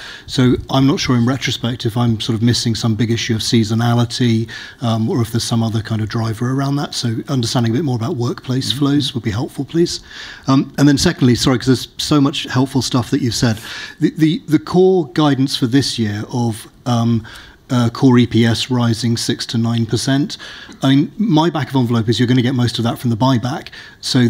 I'm not sure in retrospect if I'm sort of missing some big issue of seasonality, or if there's some other kind of driver around that. Understanding a bit more about workplace flows would be helpful, please. Secondly, sorry, 'cause there's so much helpful stuff that you've said. The core guidance for this year of core EPS rising 6%-9%. I mean, my back of envelope is you're gonna get most of that from the buyback.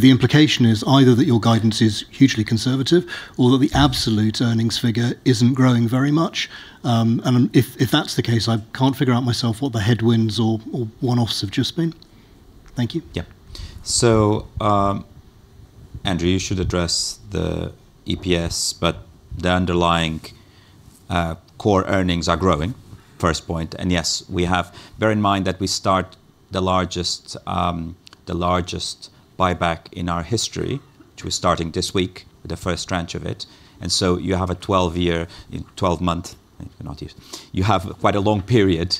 The implication is either that your guidance is hugely conservative or that the absolute earnings figure isn't growing very much. If that's the case, I can't figure out myself what the headwinds or one-offs have just been. Thank you. Yeah. Andrew, you should address the EPS, but the underlying core earnings are growing, first point. Bear in mind that we start the largest buyback in our history, which we're starting this week, the first tranche of it. You have a 12-month, not year. You have quite a long period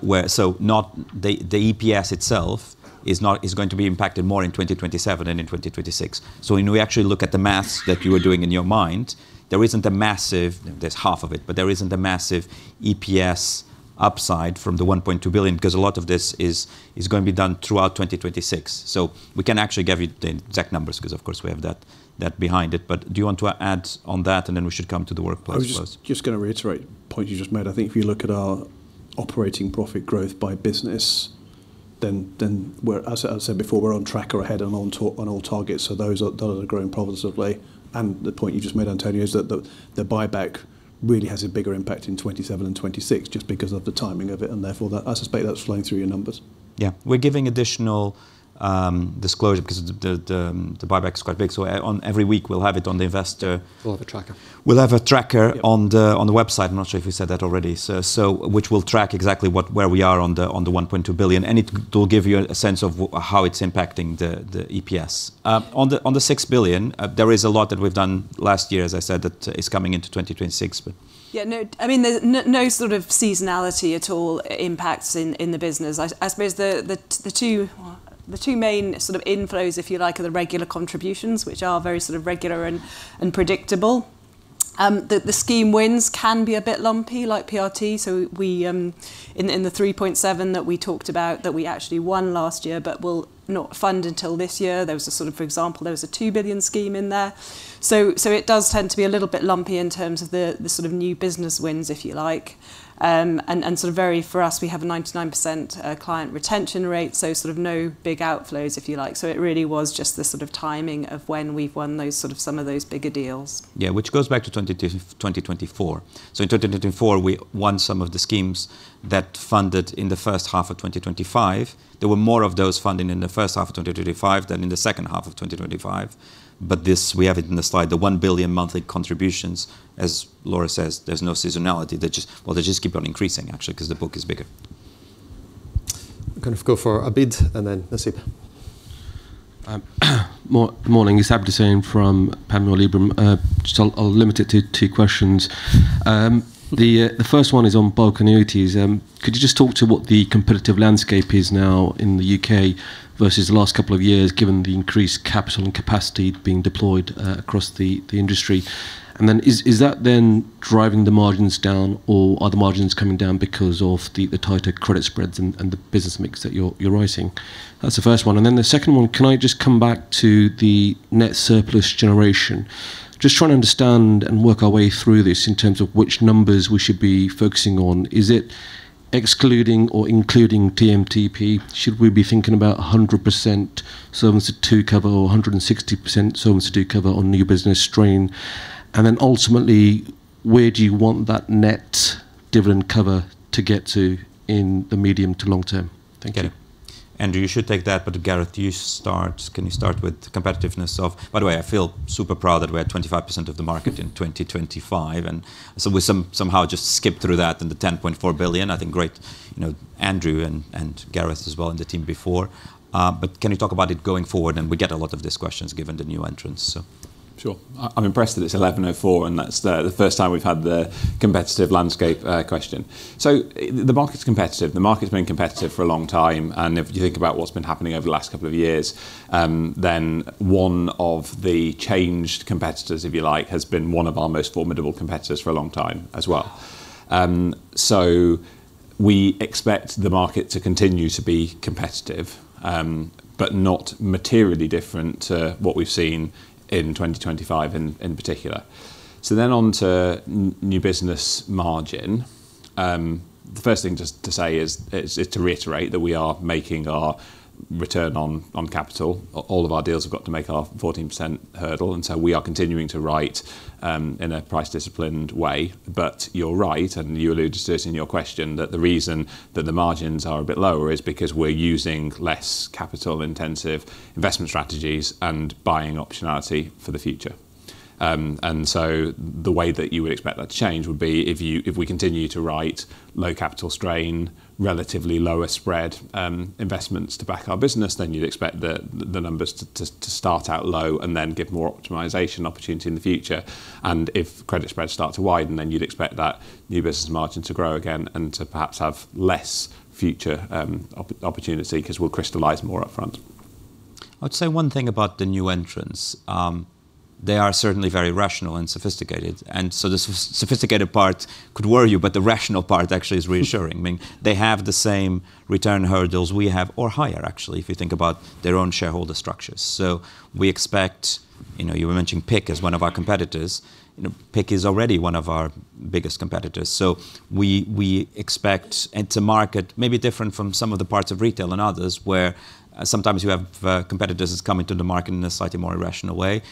where the EPS itself is going to be impacted more in 2027 than in 2026. When we actually look at the math that you were doing in your mind, there isn't a massive, there's half of it, but there isn't a massive EPS upside from the 1.2 billion 'cause a lot of this is going to be done throughout 2026. We can actually give you the exact numbers 'cause, of course, we have that behind it. Do you want to add on that, and then we should come to the workplace please? I was just gonna reiterate the point you just made. I think if you look at our operating profit growth by business, then we're, as I said before, we're on track or ahead on all targets. So those are growing positively. The point you just made, António, is that the buyback really has a bigger impact in 2027 and 2026 just because of the timing of it, and therefore that, I suspect that's flowing through your numbers. Yeah. We're giving additional disclosure because the buyback is quite big. Every week we'll have it on the investor- We'll have a tracker. We'll have a tracker on the website. I'm not sure if we said that already. Which will track exactly where we are on the 1.2 billion, and it will give you a sense of how it's impacting the EPS. On the 6 billion, there is a lot that we've done last year, as I said, that is coming into 2026 but No, I mean, there's no sort of seasonality at all that impacts the business. I suppose the two main sort of inflows, if you like, are the regular contributions, which are very sort of regular and predictable. The scheme wins can be a bit lumpy like PRT. In the 3.7 billion that we talked about that we actually won last year but will not fund until this year, for example, there was a 2 billion scheme in there. It does tend to be a little bit lumpy in terms of the sort of new business wins, if you like. For us, we have a 99% client retention rate, so no big outflows, if you like. It really was just the sort of timing of when we've won those sort of some of those bigger deals. Yeah, which goes back to 2024. In 2024, we won some of the schemes that funded in the first half of 2025. There were more of those funding in the first half of 2025 than in the second half of 2025. This, we have it in the slide, the 1 billion monthly contributions, as Laura says, there's no seasonality. They just, well, they just keep on increasing actually 'cause the book is bigger. Kind of go for Abid and then Nasib. Morning. It's Abid Hussain from Panmure Liberum. Just, I'll limit it to two questions. The first one is on bulk annuities. Could you just talk to what the competitive landscape is now in the U.K. versus the last couple of years, given the increased capital and capacity being deployed across the industry? And then is that then driving the margins down or are the margins coming down because of the tighter credit spreads and the business mix that you're writing? That's the first one. And then the second one, can I just come back to the net surplus generation? Just trying to understand and work our way through this in terms of which numbers we should be focusing on. Is it excluding or including TMTP? Should we be thinking about 100% surplus to cover or 160% surplus to cover on new business strain? Ultimately, where do you want that net dividend cover to get to in the medium to long term? Thank you. Andrew, you should take that. Gareth, you start. Can you start with competitiveness of? By the way, I feel super proud that we're at 25% of the market in 2025, and so we somehow just skip through that and the 10.4 billion. I think great, you know, Andrew and Gareth as well and the team before. Can you talk about it going forward? We get a lot of these questions given the new entrants, so. Sure. I'm impressed that it's 11:04, and that's the first time we've had the competitive landscape question. The market's competitive. The market's been competitive for a long time. If you think about what's been happening over the last couple of years, then one of the changed competitors, if you like, has been one of our most formidable competitors for a long time as well. We expect the market to continue to be competitive, but not materially different to what we've seen in 2025 in particular. On to new business margin. The first thing just to say is to reiterate that we are making our return on capital. All of our deals have got to make our 14% hurdle, and so we are continuing to write in a price-disciplined way. You're right, and you alluded to this in your question, that the reason that the margins are a bit lower is because we're using less capital-intensive investment strategies and buying optionality for the future. The way that you would expect that to change would be if we continue to write low capital strain, relatively lower spread, investments to back our business, then you'd expect the numbers to start out low and then give more optimization opportunity in the future. If credit spreads start to widen, then you'd expect that new business margin to grow again and to perhaps have less future opportunity 'cause we'll crystallize more upfront. I would say one thing about the new entrants. They are certainly very rational and sophisticated. The sophisticated part could worry you, but the rational part actually is reassuring. I mean, they have the same return hurdles we have or higher actually, if you think about their own shareholder structures. We expect you know, you were mentioning PIC as one of our competitors. You know, PIC is already one of our biggest competitors. We expect it to market maybe different from some of the parts of retail and others, where sometimes you have competitors that's come into the market in a slightly more irrational way.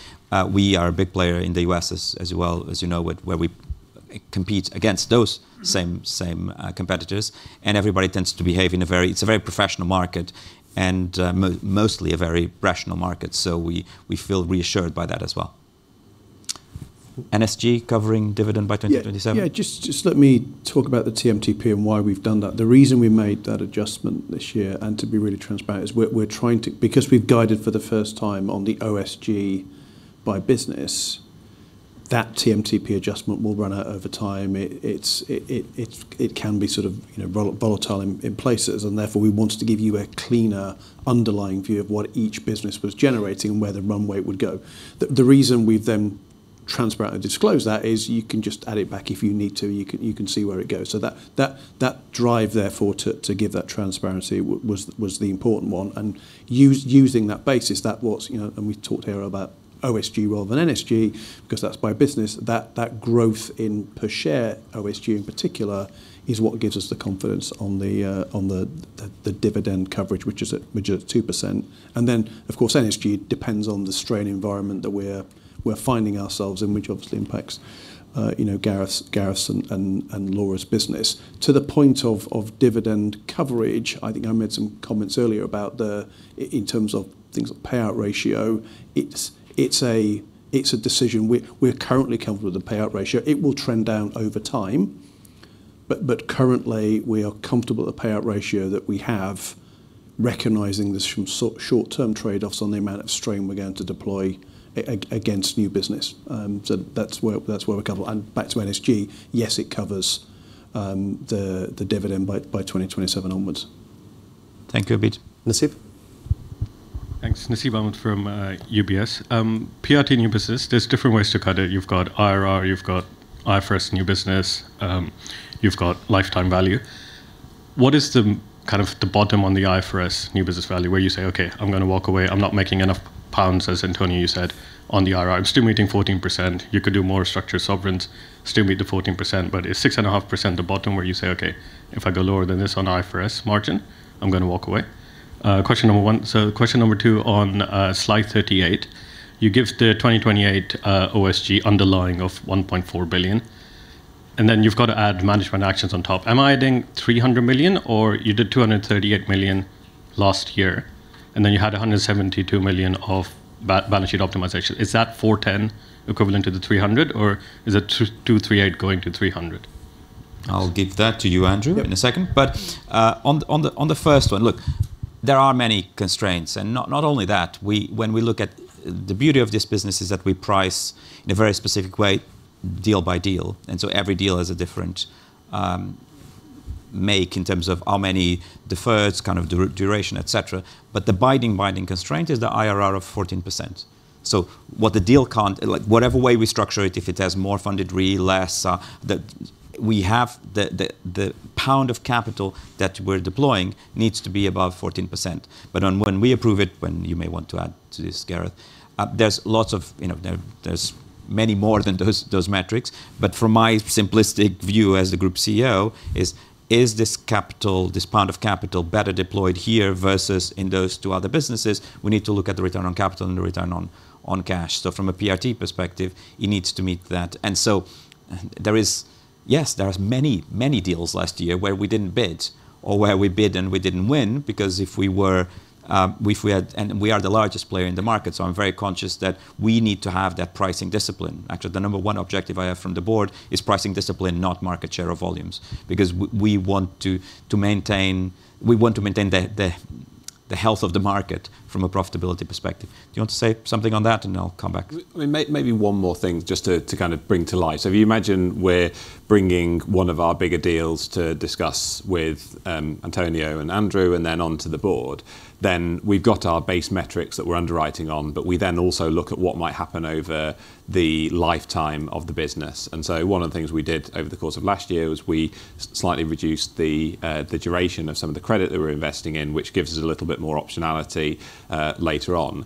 We are a big player in the U.S. as well, as you know, where we compete against those same competitors. It's a very professional market and, mostly a very rational market, so we feel reassured by that as well. NSG covering dividend by 2027? Yeah. Just let me talk about the TMTP and why we've done that. The reason we made that adjustment this year, and to be really transparent, is we're trying to because we've guided for the first time on the OSG by business, that TMTP adjustment will run out over time. It can be sort of, you know, volatile in places, and therefore, we wanted to give you a cleaner underlying view of what each business was generating and where the runway would go. The reason we've then transparently disclosed that is you can just add it back if you need to, you can see where it goes. So that drive therefore to give that transparency was the important one. Using that basis, that's what, you know. We've talked here about OSG rather than NSG, because that's by business, that growth in per share OSG in particular is what gives us the confidence on the dividend coverage, which is at 2%. Of course, NSG depends on the strain environment that we're finding ourselves in, which obviously impacts Gareth's and Laura's business. To the point of dividend coverage, I think I made some comments earlier about in terms of things like payout ratio, it's a decision we're currently comfortable with the payout ratio. It will trend down over time, but currently we are comfortable with the payout ratio that we have, recognizing there's some short-term trade-offs on the amount of strain we're going to deploy against new business. That's where we cover. Back to NSG, yes, it covers the dividend by 2027 onwards. Thank you. Abid. Nasib? Thanks. Nasib Ahmed from UBS. PRT new business, there's different ways to cut it. You've got IRR, you've got IFRS new business, you've got lifetime value. What is the kind of the bottom on the IFRS new business value where you say, "Okay, I'm gonna walk away. I'm not making enough pounds," as António, you said, on the IRR? I'm still meeting 14%. You could do more structured sovereigns, still meet the 14%, but is 6.5% the bottom where you say, "Okay, if I go lower than this on IFRS margin, I'm gonna walk away"? Question number one. Question number two, on slide 38, you give the 2028 OSG underlying of 1.4 billion, and then you've got to add management actions on top. Am I adding 300 million, or you did 238 million last year, and then you had 172 million of balance sheet optimization. Is that 410 equivalent to the 300 or is it 238 going to 300? I'll give that to you, Andrew, in a second. On the first one, look, there are many constraints. Not only that, when we look at the beauty of this business is that we price in a very specific way deal by deal, and so every deal has a different makeup in terms of how many deferreds, kind of duration, et cetera. The binding constraint is the IRR of 14%. Like, whatever way we structure it, if it has more funded RE, less, we have the per pound of capital that we're deploying needs to be above 14%. On when we approve it, when you may want to add to this, Gareth, there's lots of, there's many more than those metrics. From my simplistic view as the Group CEO, is this capital, this pound of capital better deployed here versus in those two other businesses? We need to look at the return on capital and the return on cash. From a PRT perspective, it needs to meet that. There was many deals last year where we didn't bid or where we bid and we didn't win. We are the largest player in the market, so I'm very conscious that we need to have that pricing discipline. Actually, the number one objective I have from the board is pricing discipline, not market share or volumes. We want to maintain the health of the market from a profitability perspective. Do you want to say something on that, and I'll come back? We, maybe one more thing just to kind of bring to life. If you imagine we're bringing one of our bigger deals to discuss with António and Andrew and then on to the board, then we've got our base metrics that we're underwriting on, but we then also look at what might happen over the lifetime of the business. One of the things we did over the course of last year was we slightly reduced the duration of some of the credit that we're investing in, which gives us a little bit more optionality later on.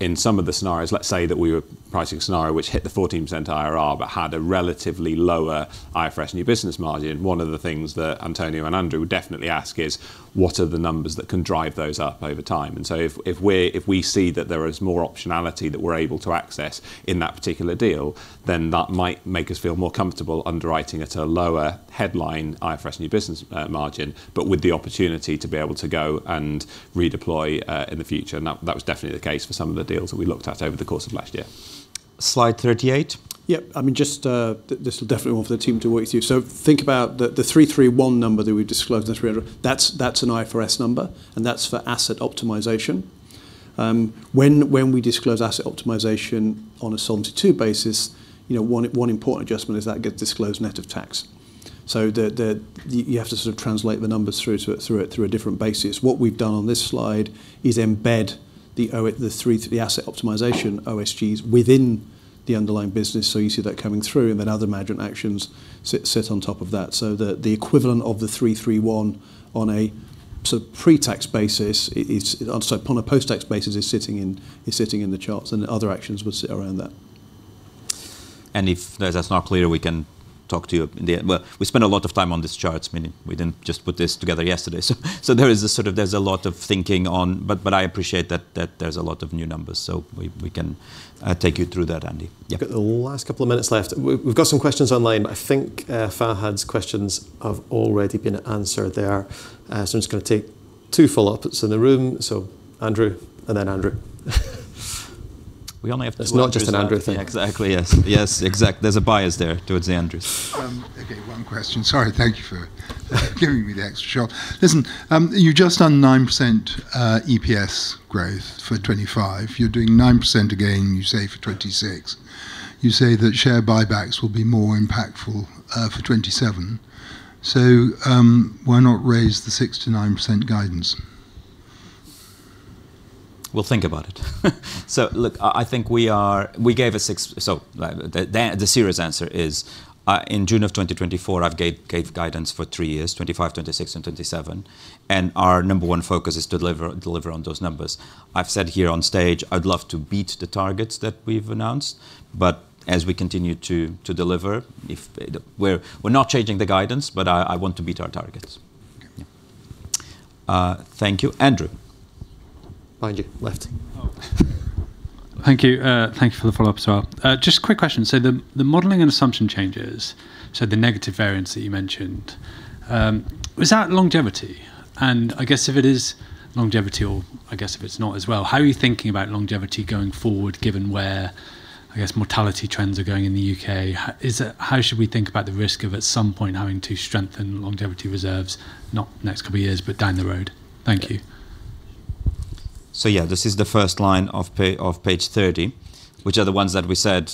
In some of the scenarios, let's say that we were pricing a scenario which hit the 14% IRR but had a relatively lower IFRS new business margin, one of the things that António and Andrew would definitely ask is, "What are the numbers that can drive those up over time?" If we see that there is more optionality that we're able to access in that particular deal, then that might make us feel more comfortable underwriting at a lower headline IFRS new business margin, but with the opportunity to be able to go and redeploy in the future. That was definitely the case for some of the deals that we looked at over the course of last year. Slide 38. Yep. I mean, just, this will definitely one for the team to walk you through. Think about the 331 number that we've disclosed in the 300. That's an IFRS number, and that's for asset optimization. When we disclose asset optimization on a Solvency II basis, you know, one important adjustment is that gets disclosed net of tax. You have to sort of translate the numbers through to it, through a different basis. What we've done on this slide is embed the 331, the asset optimization OSGs within the underlying business, so you see that coming through, and then other management actions sit on top of that. The equivalent of the 331 on a sort of pre-tax basis is. I'm sorry, on a post-tax basis is sitting in the charts, and other actions would sit around that. If that's not clear, we can talk to you at the end. Well, we spent a lot of time on these charts. I mean, we didn't just put this together yesterday. There is a sort of there's a lot of thinking on. But I appreciate that there's a lot of new numbers, so we can take you through that, Andy. Yeah. Got the last couple of minutes left. We've got some questions online. I think, Farhad's questions have already been answered there. I'm just gonna take two follow-ups in the room. Andrew, and then Andrew. We only have to- It's not just an Andrew thing. Yeah, exactly, yes. There's a bias there towards the Andrews. Okay, one question. Sorry. Thank you for giving me the extra shot. Listen, you've just done 9% EPS growth for 2025. You're doing 9% again, you say, for 2026. You say that share buybacks will be more impactful for 2027. Why not raise the 6%-9% guidance? We'll think about it. The serious answer is, in June of 2024 I gave guidance for three years, 2025, 2026, and 2027, and our number one focus is deliver on those numbers. I've said here on stage I'd love to beat the targets that we've announced, but as we continue to deliver. We're not changing the guidance, but I want to beat our targets. Okay. Thank you, Andrew. Behind you. Left. Thank you. Thank you for the follow-up as well. Just quick question. The modeling and assumption changes, the negative variance that you mentioned, was that longevity? I guess if it is longevity or I guess if it's not as well, how are you thinking about longevity going forward given where, I guess, mortality trends are going in the U.K.? How should we think about the risk of at some point having to strengthen longevity reserves, not next couple years, but down the road? Thank you. Yeah, this is the first line of page 30, which are the ones that we said,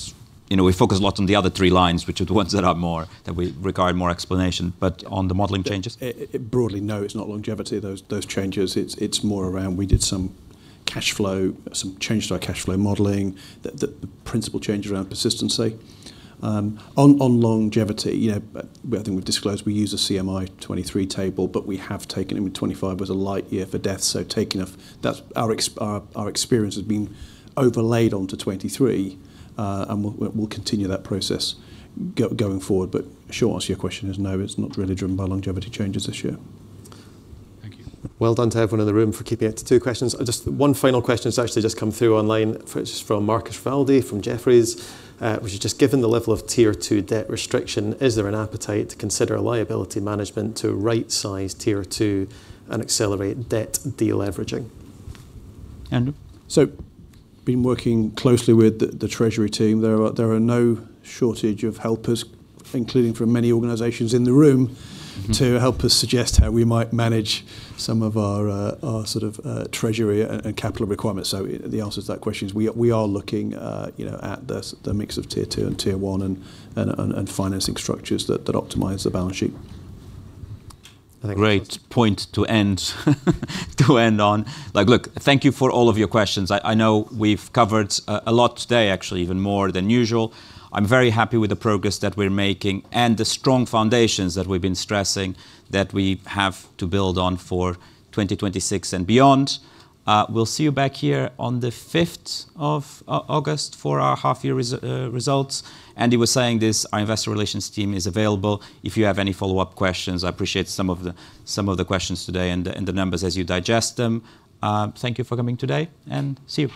you know, we focus a lot on the other three lines, which are the ones that are more, that we regard more explanation. But on the modeling changes? Broadly, no, it's not longevity, those changes. It's more around. We did some cash flow, some changes to our cash flow modeling. The principal change is around persistency. On longevity, you know, I think we've disclosed we use a CMI 2023 table, but we have taken. I mean, 2025 was a light year for deaths, so taking our experience has been overlaid onto 2023. And we'll continue that process going forward. Short answer to your question is no, it's not really driven by longevity changes this year. Thank you. Well done to everyone in the room for keeping it to two questions. Just one final question. It's actually just come through online. It's from Marcus Rivaldi from Jefferies. Which is just, given the level of Tier 2 debt restriction, is there an appetite to consider a liability management to right-size Tier 2 and accelerate debt deleveraging? Andrew? Been working closely with the treasury team. There are no shortage of helpers, including from many organizations in the room, to help us suggest how we might manage some of our sort of treasury and capital requirements. The answer to that question is we are looking, you know, at the mix of Tier 2 and Tier 1 and financing structures that optimize the balance sheet. Great point to end on. Like, look, thank you for all of your questions. I know we've covered a lot today actually, even more than usual. I'm very happy with the progress that we're making and the strong foundations that we've been stressing that we have to build on for 2026 and beyond. We'll see you back here on the 5th of August for our half year results. Andy was saying this, our investor relations team is available if you have any follow-up questions. I appreciate some of the questions today and the numbers as you digest them. Thank you for coming today, and see you.